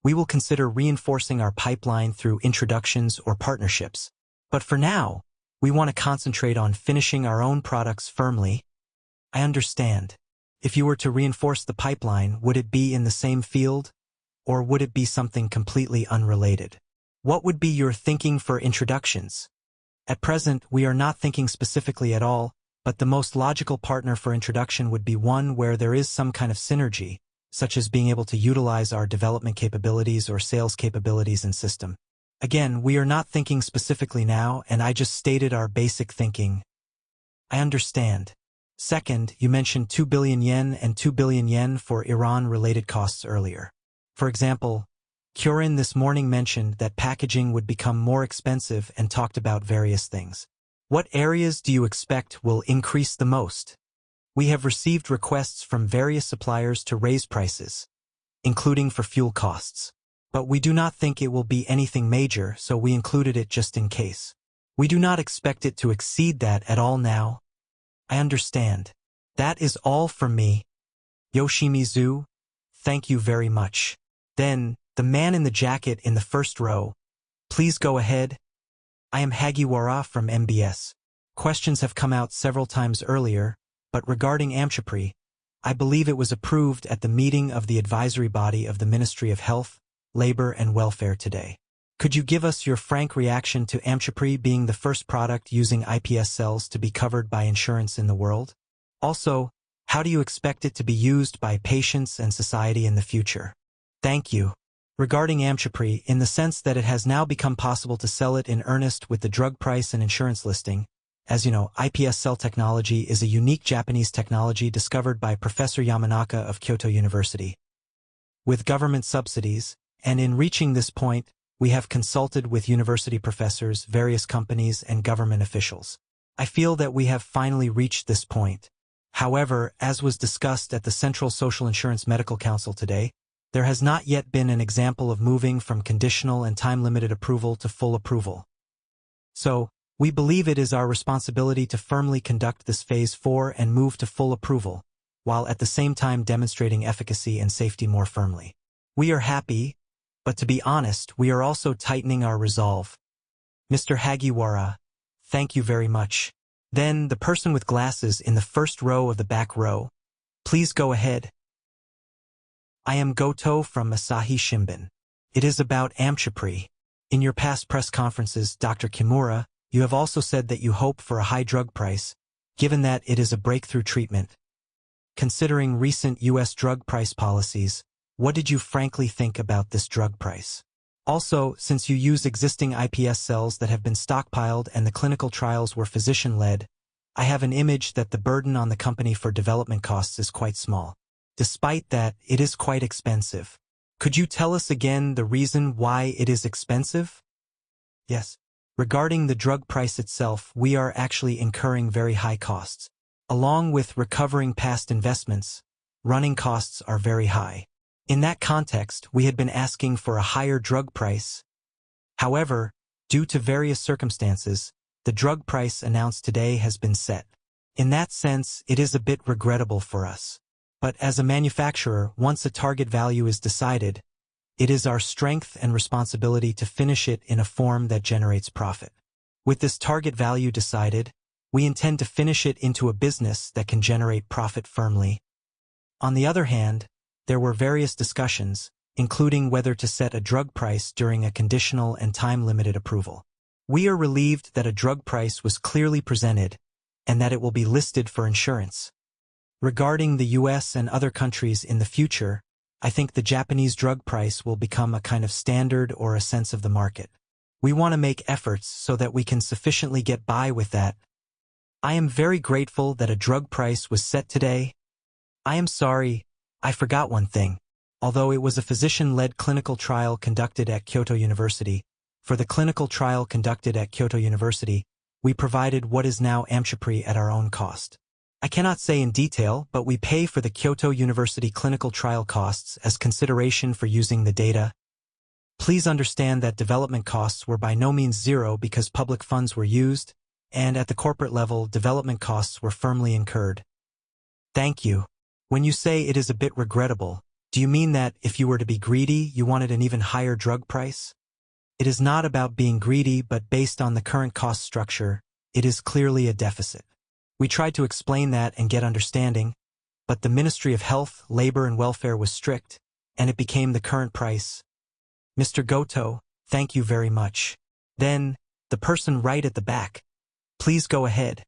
we will consider reinforcing our pipeline through introductions or partnerships. For now, we want to concentrate on finishing our own products firmly. I understand. If you were to reinforce the pipeline, would it be in the same field, or would it be something completely unrelated? What would be your thinking for introductions? At present, we are not thinking specifically at all, but the most logical partner for introduction would be one where there is some kind of synergy, such as being able to utilize our development capabilities or sales capabilities and system. We are not thinking specifically now, and I just stated our basic thinking. I understand. Second, you mentioned 2 billion yen and 2 billion yen for Iran-related costs earlier. For example, Kyowa Kirin this morning mentioned that packaging would become more expensive and talked about various things. What areas do you expect will increase the most? We have received requests from various suppliers to raise prices, including for fuel costs. We do not think it will be anything major, so we included it just in case. We do not expect it to exceed that at all now. I understand. That is all from me. Yoshimizu, thank you very much. The man in the jacket in the first row, please go ahead. I am Hagiwara from MBS. Questions have come out several times earlier, regarding Amchepry, I believe it was approved at the meeting of the advisory body of the Ministry of Health, Labour, and Welfare today. Could you give us your frank reaction to Amchepry being the first product using iPS cells to be covered by insurance in the world? How do you expect it to be used by patients and society in the future? Thank you. Regarding Amchepry, in the sense that it has now become possible to sell it in earnest with the drug price and insurance listing, as you know, iPS cell technology is a unique Japanese technology discovered by Professor Yamanaka of Kyoto University. With government subsidies, and in reaching this point, we have consulted with university professors, various companies, and government officials. I feel that we have finally reached this point. As was discussed at the Central Social Insurance Medical Council today, there has not yet been an example of moving from conditional and time-limited approval to full approval. We believe it is our responsibility to firmly conduct this phase IV and move to full approval, while at the same time demonstrating efficacy and safety more firmly. We are happy, but to be honest, we are also tightening our resolve. Mr. Hagiwara, thank you very much. The person with glasses in the first row of the back row, please go ahead. I am Goto from The Asahi Shimbun. It is about Amchepry. In your past press conferences, Dr. Kimura, you have also said that you hope for a high drug price, given that it is a breakthrough treatment. Considering recent U.S. drug price policies, what did you frankly think about this drug price? Since you used existing iPS cells that have been stockpiled and the clinical trials were physician-led, I have an image that the burden on the company for development costs is quite small. Despite that, it is quite expensive. Could you tell us again the reason why it is expensive? Regarding the drug price itself, we are actually incurring very high costs. Along with recovering past investments, running costs are very high. In that context, we had been asking for a higher drug price. Due to various circumstances, the drug price announced today has been set. In that sense, it is a bit regrettable for us. As a manufacturer, once a target value is decided, it is our strength and responsibility to finish it in a form that generates profit. With this target value decided, we intend to finish it into a business that can generate profit firmly. On the other hand, there were various discussions, including whether to set a drug price during a conditional and time-limited approval. We are relieved that a drug price was clearly presented and that it will be listed for insurance. Regarding the U.S. and other countries in the future, I think the Japanese drug price will become a kind of standard or a sense of the market. We want to make efforts so that we can sufficiently get by with that. I am very grateful that a drug price was set today. I am sorry, I forgot one thing. Although it was a physician-led clinical trial conducted at Kyoto University, for the clinical trial conducted at Kyoto University, we provided what is now Amchepry at our own cost. I cannot say in detail, but we pay for the Kyoto University clinical trial costs as consideration for using the data. Please understand that development costs were by no means zero because public funds were used, and at the corporate level, development costs were firmly incurred. Thank you. When you say it is a bit regrettable, do you mean that if you were to be greedy, you wanted an even higher drug price? It is not about being greedy, but based on the current cost structure, it is clearly a deficit. We tried to explain that and get understanding, but the Ministry of Health, Labor, and Welfare was strict, and it became the current price. Mr. Goto, thank you very much. The person right at the back, please go ahead.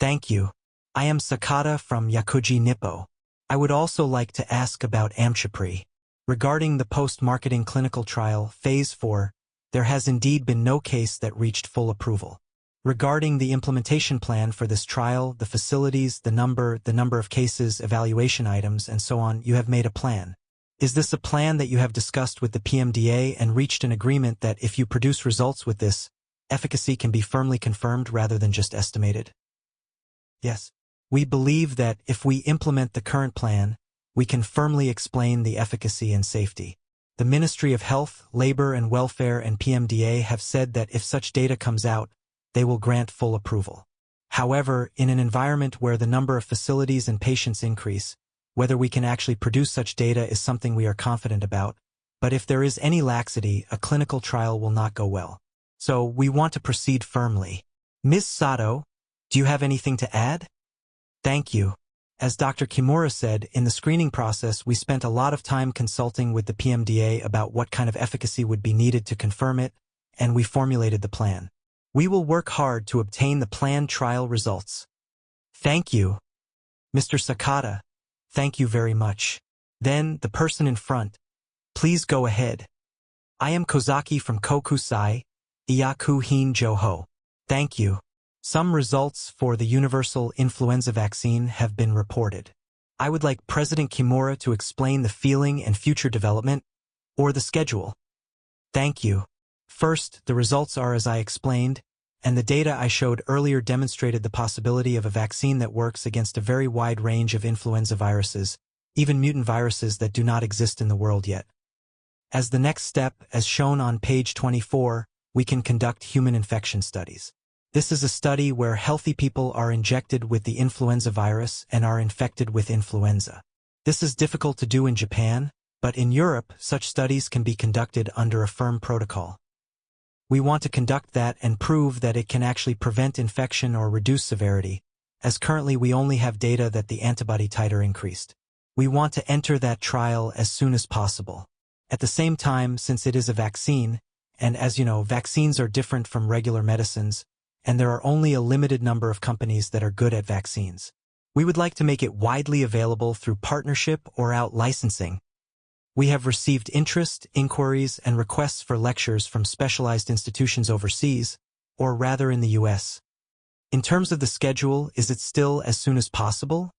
Thank you. I am Sakata from Yakuji Nippo. I would also like to ask about Amchepry. Regarding the post-marketing clinical trial, phase IV, there has indeed been no case that reached full approval. Regarding the implementation plan for this trial, the facilities, the number, the number of cases, evaluation items, and so on, you have made a plan. Is this a plan that you have discussed with the PMDA and reached an agreement that if you produce results with this, efficacy can be firmly confirmed rather than just estimated? Yes. We believe that if we implement the current plan, we can firmly explain the efficacy and safety. The Ministry of Health, Labour, and Welfare and PMDA have said that if such data comes out, they will grant full approval. In an environment where the number of facilities and patients increase, whether we can actually produce such data is something we are confident about. If there is any laxity, a clinical trial will not go well. We want to proceed firmly. Ms. Sato, do you have anything to add? Thank you. As Dr. Kimura said, in the screening process, we spent a lot of time consulting with the PMDA about what kind of efficacy would be needed to confirm it, and we formulated the plan. We will work hard to obtain the planned trial results. Thank you. Mr. Sakata, thank you very much. The person in front, please go ahead. I am Kozaki from Kokusai Iyakuhin Joho. Thank you. Some results for the universal influenza vaccine have been reported. I would like President Kimura to explain the feeling and future development or the schedule. Thank you. First, the results are as I explained, and the data I showed earlier demonstrated the possibility of a vaccine that works against a very wide range of influenza viruses, even mutant viruses that do not exist in the world yet. As the next step, as shown on page 24, we can conduct human infection studies. This is a study where healthy people are injected with the influenza virus and are infected with influenza. This is difficult to do in Japan, but in Europe, such studies can be conducted under a firm protocol. We want to conduct that and prove that it can actually prevent infection or reduce severity, as currently we only have data that the antibody titer increased. We want to enter that trial as soon as possible. At the same time, since it is a vaccine, and as you know, vaccines are different from regular medicines, and there are only a limited number of companies that are good at vaccines. We would like to make it widely available through partnership or out-licensing. We have received interest, inquiries, and requests for lectures from specialized institutions overseas, or rather in the U.S. In terms of the schedule, is it still as soon as possible?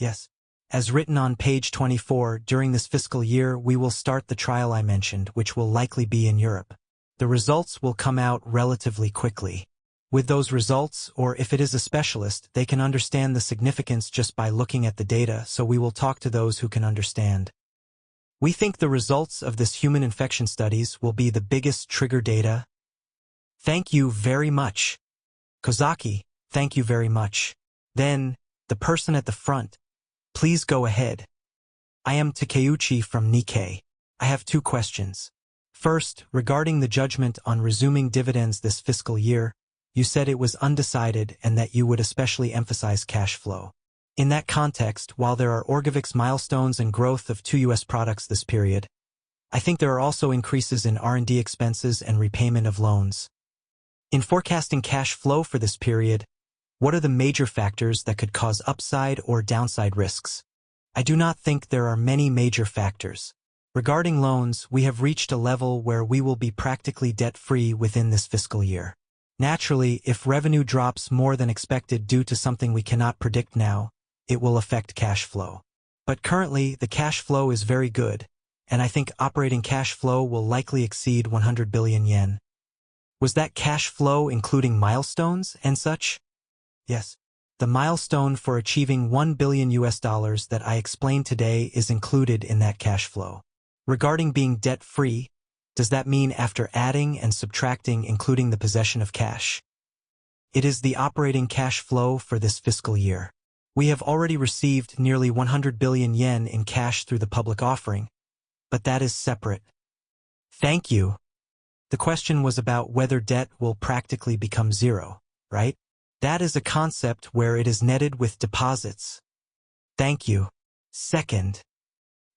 Yes. As written on page 24, during this fiscal year, we will start the trial I mentioned, which will likely be in Europe. The results will come out relatively quickly. With those results, or if it is a specialist, they can understand the significance just by looking at the data, so we will talk to those who can understand. We think the results of this human infection studies will be the biggest trigger data. Thank you very much. Kozaki, thank you very much. The person at the front, please go ahead. I am Takeuchi from Nikkei. I have two questions. First, regarding the judgment on resuming dividends this fiscal year, you said it was undecided and that you would especially emphasize cash flow. In that context, while there are ORGOVYX milestones and growth of two U.S. products this period, I think there are also increases in R&D expenses and repayment of loans. In forecasting cash flow for this period, what are the major factors that could cause upside or downside risks? I do not think there are many major factors. Regarding loans, we have reached a level where we will be practically debt-free within this fiscal year. Naturally, if revenue drops more than expected due to something we cannot predict now, it will affect cash flow. Currently, the cash flow is very good, and I think operating cash flow will likely exceed 100 billion yen. Was that cash flow including milestones and such? Yes. The milestone for achieving $1 billion that I explained today is included in that cash flow. Regarding being debt-free, does that mean after adding and subtracting, including the possession of cash? It is the operating cash flow for this fiscal year. We have already received nearly 100 billion yen in cash through the public offering, but that is separate. Thank you. The question was about whether debt will practically become zero, right? That is a concept where it is netted with deposits. Thank you. Second,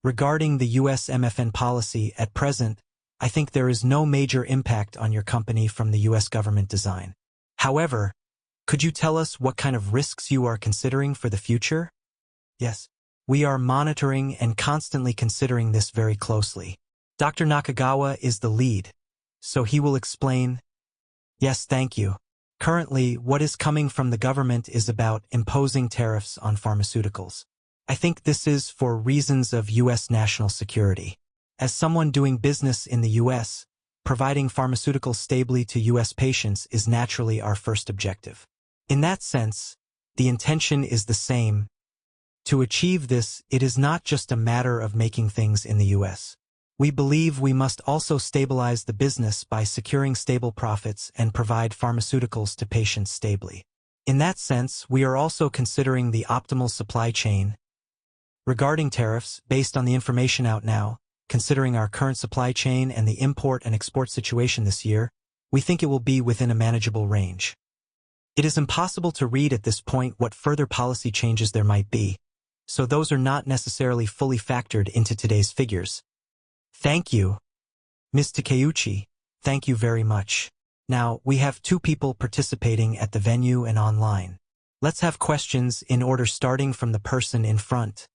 regarding the U.S. MFN policy, at present, I think there is no major impact on your company from the U.S. government design. Could you tell us what kind of risks you are considering for the future? We are monitoring and constantly considering this very closely. Dr. Nakagawa is the lead, so he will explain. Yes, thank you. Currently, what is coming from the government is about imposing tariffs on pharmaceuticals. I think this is for reasons of U.S. national security. As someone doing business in the U.S., providing pharmaceuticals stably to U.S. patients is naturally our first objective. In that sense, the intention is the same. To achieve this, it is not just a matter of making things in the U.S. We believe we must also stabilize the business by securing stable profits and provide pharmaceuticals to patients stably. In that sense, we are also considering the optimal supply chain. Regarding tariffs, based on the information out now, considering our current supply chain and the import and export situation this year, we think it will be within a manageable range. It is impossible to read at this point what further policy changes there might be, so those are not necessarily fully factored into today's figures. Thank you. Ms. Takeuchi, thank you very much. Now, we have two people participating at the venue and online. Let's have questions in order starting from the person in front.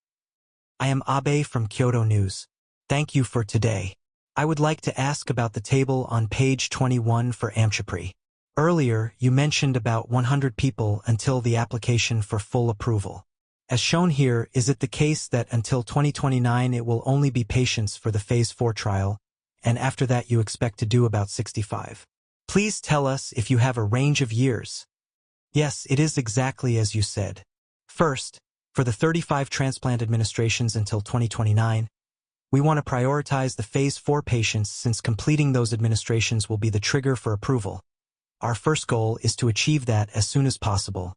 I am Abe from Kyodo News. Thank you for today. I would like to ask about the table on page 21 for Amchepry. Earlier, you mentioned about 100 people until the application for full approval. As shown here, is it the case that until 2029 it will only be patients for the phase IV trial, and after that you expect to do about 65? Please tell us if you have a range of years. Yes, it is exactly as you said. First, for the 35 transplant administrations until 2029, we want to prioritize the phase IV patients since completing those administrations will be the trigger for approval. Our first goal is to achieve that as soon as possible.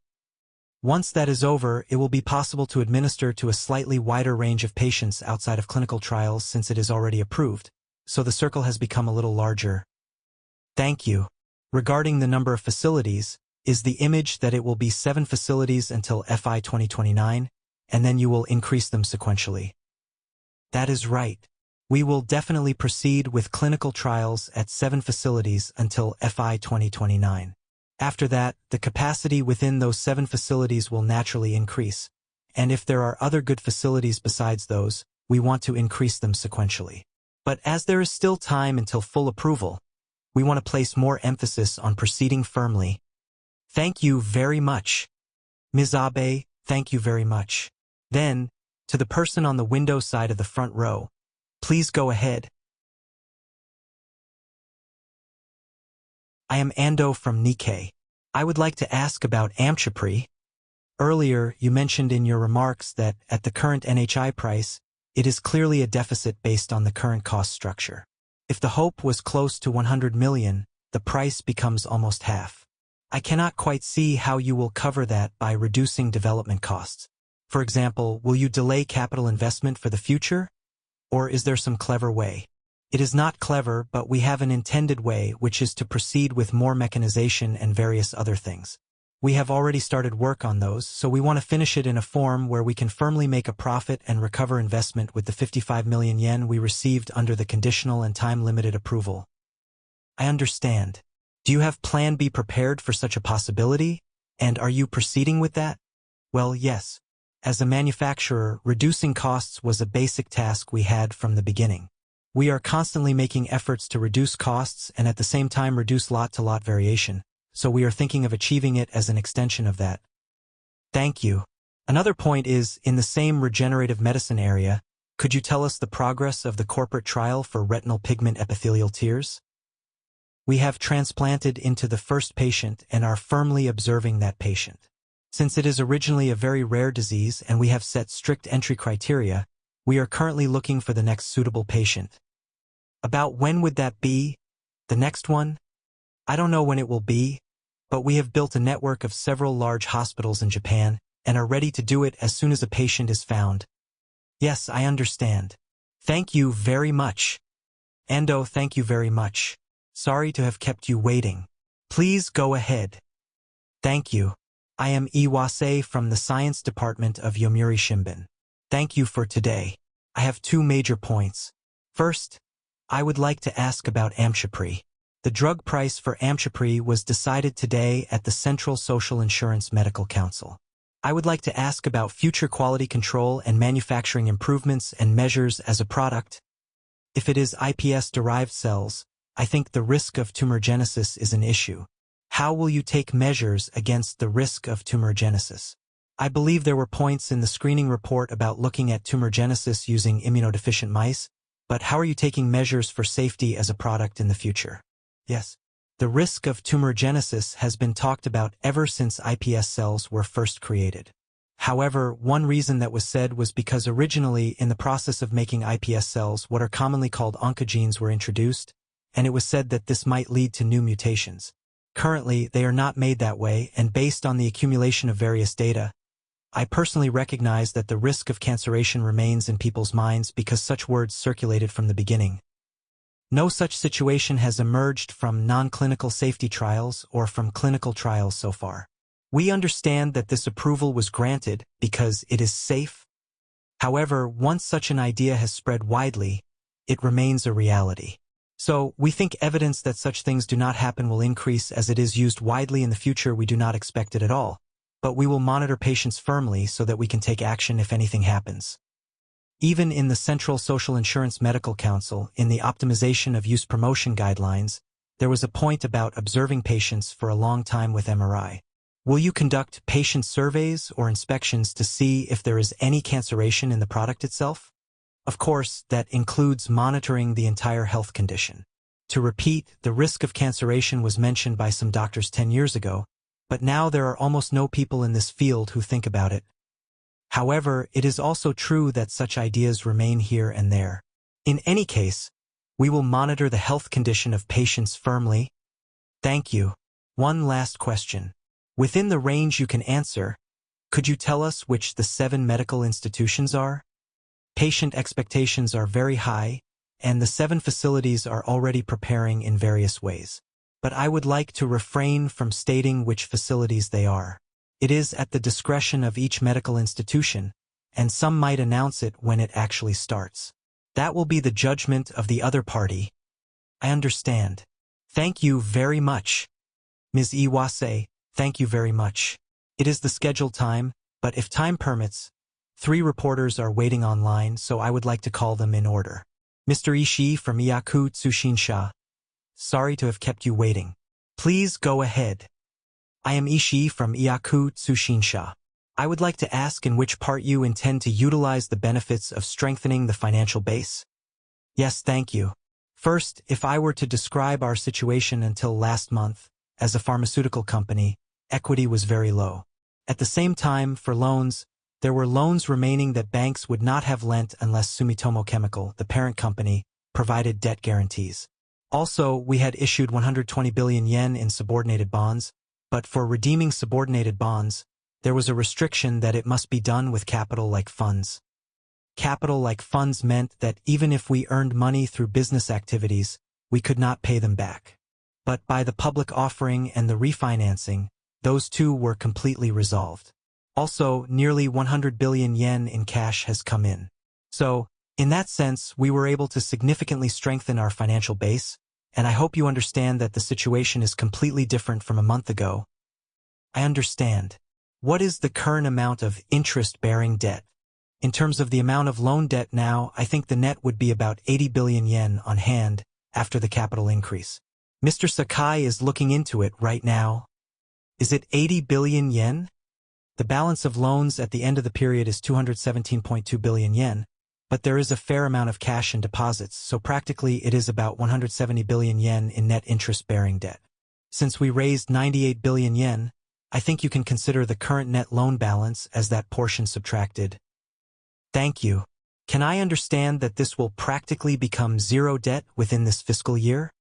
Once that is over, it will be possible to administer to a slightly wider range of patients outside of clinical trials since it is already approved, the circle has become a little larger. Thank you. Regarding the number of facilities, is the image that it will be seven facilities until FY 2029, and then you will increase them sequentially? That is right. We will definitely proceed with clinical trials at seven facilities until FY 2029. After that, the capacity within those seven facilities will naturally increase, and if there are other good facilities besides those, we want to increase them sequentially. As there is still time until full approval, we want to place more emphasis on proceeding firmly. Thank you very much. Ms. Abe, thank you very much. To the person on the window side of the front row, please go ahead. I am Ando from Nikkei. I would like to ask about Amchepry. Earlier, you mentioned in your remarks that at the current NHI price, it is clearly a deficit based on the current cost structure. If the hope was close to 100 million, the price becomes almost half. I cannot quite see how you will cover that by reducing development costs. For example, will you delay capital investment for the future, or is there some clever way? It is not clever, but we have an intended way, which is to proceed with more mechanization and various other things. We have already started work on those, so we want to finish it in a form where we can firmly make a profit and recover investment with the 55 million yen we received under the conditional and time-limited approval. I understand. Do you have plan B prepared for such a possibility, and are you proceeding with that? Well, yes. As a manufacturer, reducing costs was a basic task we had from the beginning. We are constantly making efforts to reduce costs and at the same time reduce lot-to-lot variation, so we are thinking of achieving it as an extension of that. Thank you. Another point is, in the same regenerative medicine area, could you tell us the progress of the corporate trial for retinal pigment epithelial tears? We have transplanted into the first patient and are firmly observing that patient. Since it is originally a very rare disease and we have set strict entry criteria, we are currently looking for the next suitable patient. About when would that be, the next one? I do not know when it will be, but we have built a network of several large hospitals in Japan and are ready to do it as soon as a patient is found. Yes, I understand. Thank you very much. Ando, thank you very much. Sorry to have kept you waiting. Please go ahead. Thank you. I am Iwase from the Science Department of Yomiuri Shimbun. Thank you for today. I have two major points. First, I would like to ask about Amchepry. The drug price for Amchepry was decided today at the Central Social Insurance Medical Council. I would like to ask about future quality control and manufacturing improvements and measures as a product. If it is iPS-derived cells, I think the risk of tumorigenesis is an issue. How will you take measures against the risk of tumorigenesis. I believe there were points in the screening report about looking at tumorigenesis using immunodeficient mice, but how are you taking measures for safety as a product in the future? Yes. The risk of tumorigenesis has been talked about ever since iPS cells were first created. However, one reason that was said was because originally, in the process of making iPS cells, what are commonly called oncogenes were introduced, and it was said that this might lead to new mutations. Currently, they are not made that way, and based on the accumulation of various data, I personally recognize that the risk of canceration remains in people's minds because such words circulated from the beginning. No such situation has emerged from non-clinical safety trials or from clinical trials so far. We understand that this approval was granted because it is safe. However, once such an idea has spread widely, it remains a reality. We think evidence that such things do not happen will increase as it is used widely in the future. We do not expect it at all, but we will monitor patients firmly so that we can take action if anything happens. Even in the Central Social Insurance Medical Council, in the optimization of use promotion guidelines, there was a point about observing patients for a long time with MRI. Will you conduct patient surveys or inspections to see if there is any canceration in the product itself? Of course, that includes monitoring the entire health condition. To repeat, the risk of canceration was mentioned by some doctors 10 years ago, but now there are almost no people in this field who think about it. However, it is also true that such ideas remain here and there. In any case, we will monitor the health condition of patients firmly. Thank you. One last question. Within the range you can answer, could you tell us which the 7 medical institutions are? Patient expectations are very high, and the seven facilities are already preparing in various ways. I would like to refrain from stating which facilities they are. It is at the discretion of each medical institution, and some might announce it when it actually starts. That will be the judgment of the other party. I understand. Thank you very much. Ms. Iwase, thank you very much. It is the scheduled time. If time permits, three reporters are waiting on line, so I would like to call them in order. Mr. Ishii from Yomiuri Shimbun, sorry to have kept you waiting. Please go ahead. I am Ishii from Yomiuri Shimbun. I would like to ask in which part you intend to utilize the benefits of strengthening the financial base. Yes, thank you. First, if I were to describe our situation until last month, as a pharmaceutical company, equity was very low. At the same time, for loans, there were loans remaining that banks would not have lent unless Sumitomo Chemical, the parent company, provided debt guarantees. We had issued 120 billion yen in subordinated bonds. For redeeming subordinated bonds, there was a restriction that it must be done with capital like funds. Capital like funds meant that even if we earned money through business activities, we could not pay them back. By the public offering and the refinancing, those two were completely resolved. Nearly 100 billion yen in cash has come in. In that sense, we were able to significantly strengthen our financial base, and I hope you understand that the situation is completely different from a month ago. I understand. What is the current amount of interest-bearing debt? In terms of the amount of loan debt now, I think the net would be about 80 billion yen on hand after the capital increase. Mr. Sakai is looking into it right now. Is it 80 billion yen? The balance of loans at the end of the period is 217.2 billion yen, there is a fair amount of cash in deposits, practically it is about 170 billion yen in net interest-bearing debt. Since we raised 98 billion yen, I think you can consider the current net loan balance as that portion subtracted. Thank you. Can I understand that this will practically become zero debt within this fiscal year?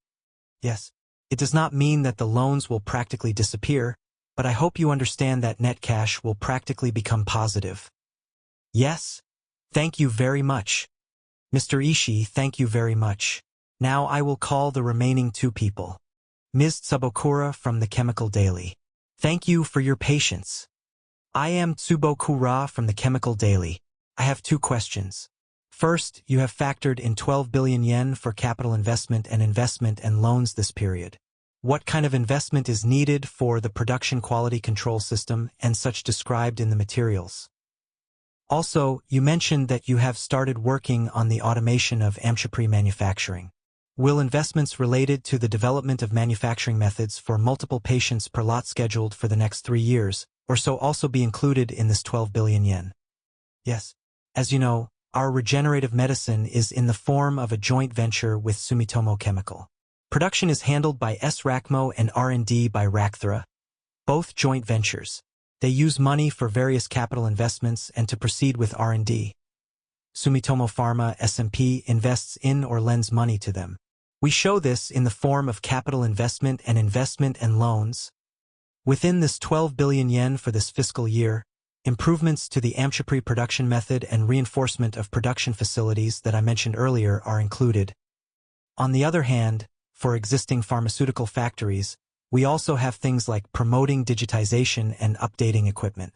Yes. It does not mean that the loans will practically disappear, I hope you understand that net cash will practically become positive. Yes. Thank you very much. Mr. Ishii, thank you very much. I will call the remaining two people. Ms. Tsubokura from The Chemical Daily. Thank you for your patience. I am Tsubokura from The Chemical Daily. I have two questions. First, you have factored in 12 billion yen for capital investment and investment and loans this period. What kind of investment is needed for the production quality control system and such described in the materials? You mentioned that you have started working on the automation of Amchepry manufacturing. Will investments related to the development of manufacturing methods for multiple patients per lot scheduled for the next three years or so also be included in this 12 billion yen? Yes. As you know, our regenerative medicine is in the form of a joint venture with Sumitomo Chemical. Production is handled by S-RACMO and R&D by RACTHERA, both joint ventures. They use money for various capital investments and to proceed with R&D. Sumitomo Pharma, SMP, invests in or lends money to them. We show this in the form of capital investment, and investment and loans. Within this 12 billion yen for this fiscal year, improvements to the Amchepry production method and reinforcement of production facilities that I mentioned earlier are included. On the other hand, for existing pharmaceutical factories, we also have things like promoting digitization and updating equipment.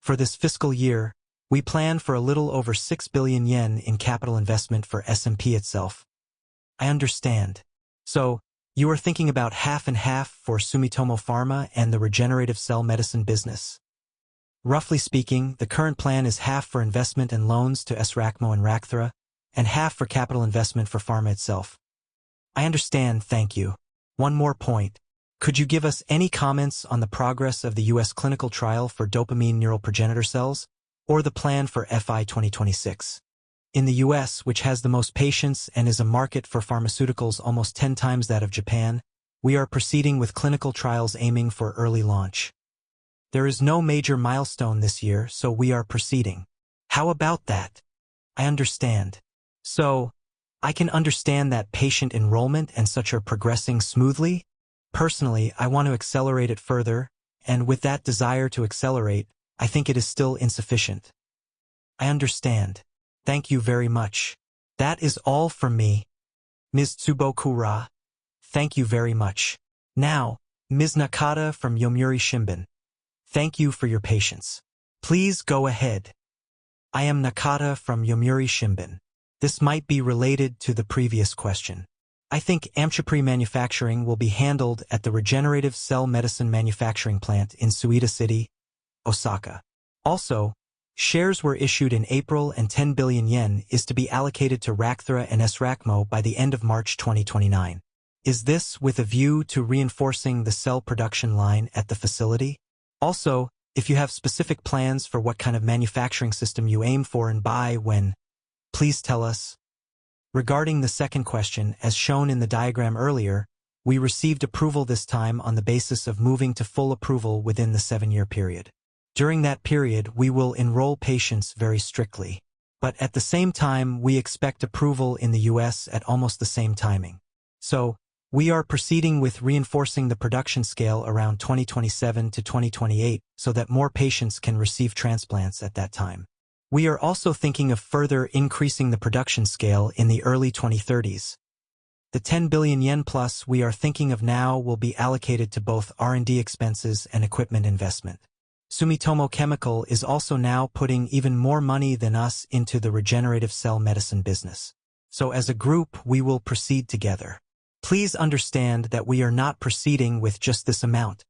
For this fiscal year, we plan for a little over 6 billion yen in capital investment for SMP itself. I understand. You are thinking about half and half for Sumitomo Pharma and the regenerative cell medicine business. Roughly speaking, the current plan is half for investment and loans to S-RACMO and RACTHERA, and half for capital investment for pharma itself. I understand, thank you. One more point. Could you give us any comments on the progress of the U.S. clinical trial for dopamine neural progenitor cells, or the plan for FY 2026? In the U.S., which has the most patients and is a market for pharmaceuticals almost 10 times that of Japan, we are proceeding with clinical trials aiming for early launch. There is no major milestone this year, we are proceeding. How about that? I understand. I can understand that patient enrollment and such are progressing smoothly. Personally, I want to accelerate it further, and with that desire to accelerate, I think it is still insufficient. I understand. Thank you very much. That is all from me. Ms. Tsubokura, thank you very much. Ms. Nakata from Yomiuri Shimbun, thank you for your patience. Please go ahead. I am Nakata from Yomiuri Shimbun. This might be related to the previous question. I think Amchepry manufacturing will be handled at the regenerative cell medicine manufacturing plant in Suita City, Osaka. Shares were issued in April, and 10 billion yen is to be allocated to RACTHERA and S-RACMO by the end of March 2029. Is this with a view to reinforcing the cell production line at the facility? If you have specific plans for what kind of manufacturing system you aim for and by when, please tell us. Regarding the second question, as shown in the diagram earlier, we received approval this time on the basis of moving to full approval within the seven-year period. During that period, we will enroll patients very strictly. At the same time, we expect approval in the U.S. at almost the same timing. We are proceeding with reinforcing the production scale around 2027 to 2028 so that more patients can receive transplants at that time. We are also thinking of further increasing the production scale in the early 2030s. The 10 billion yen plus we are thinking of now will be allocated to both R&D expenses and equipment investment. Sumitomo Chemical is also now putting even more money than us into the regenerative cell medicine business. As a group, we will proceed together. Please understand that we are not proceeding with just this amount.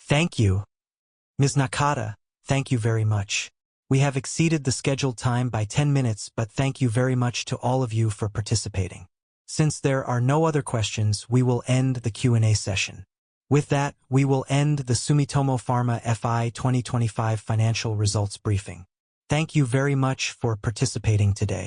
Thank you. Ms. Nakata, thank you very much. We have exceeded the scheduled time by 10 minutes, but thank you very much to all of you for participating. Since there are no other questions, we will end the Q&A session. With that, we will end the Sumitomo Pharma FY 2025 financial results briefing. Thank you very much for participating today.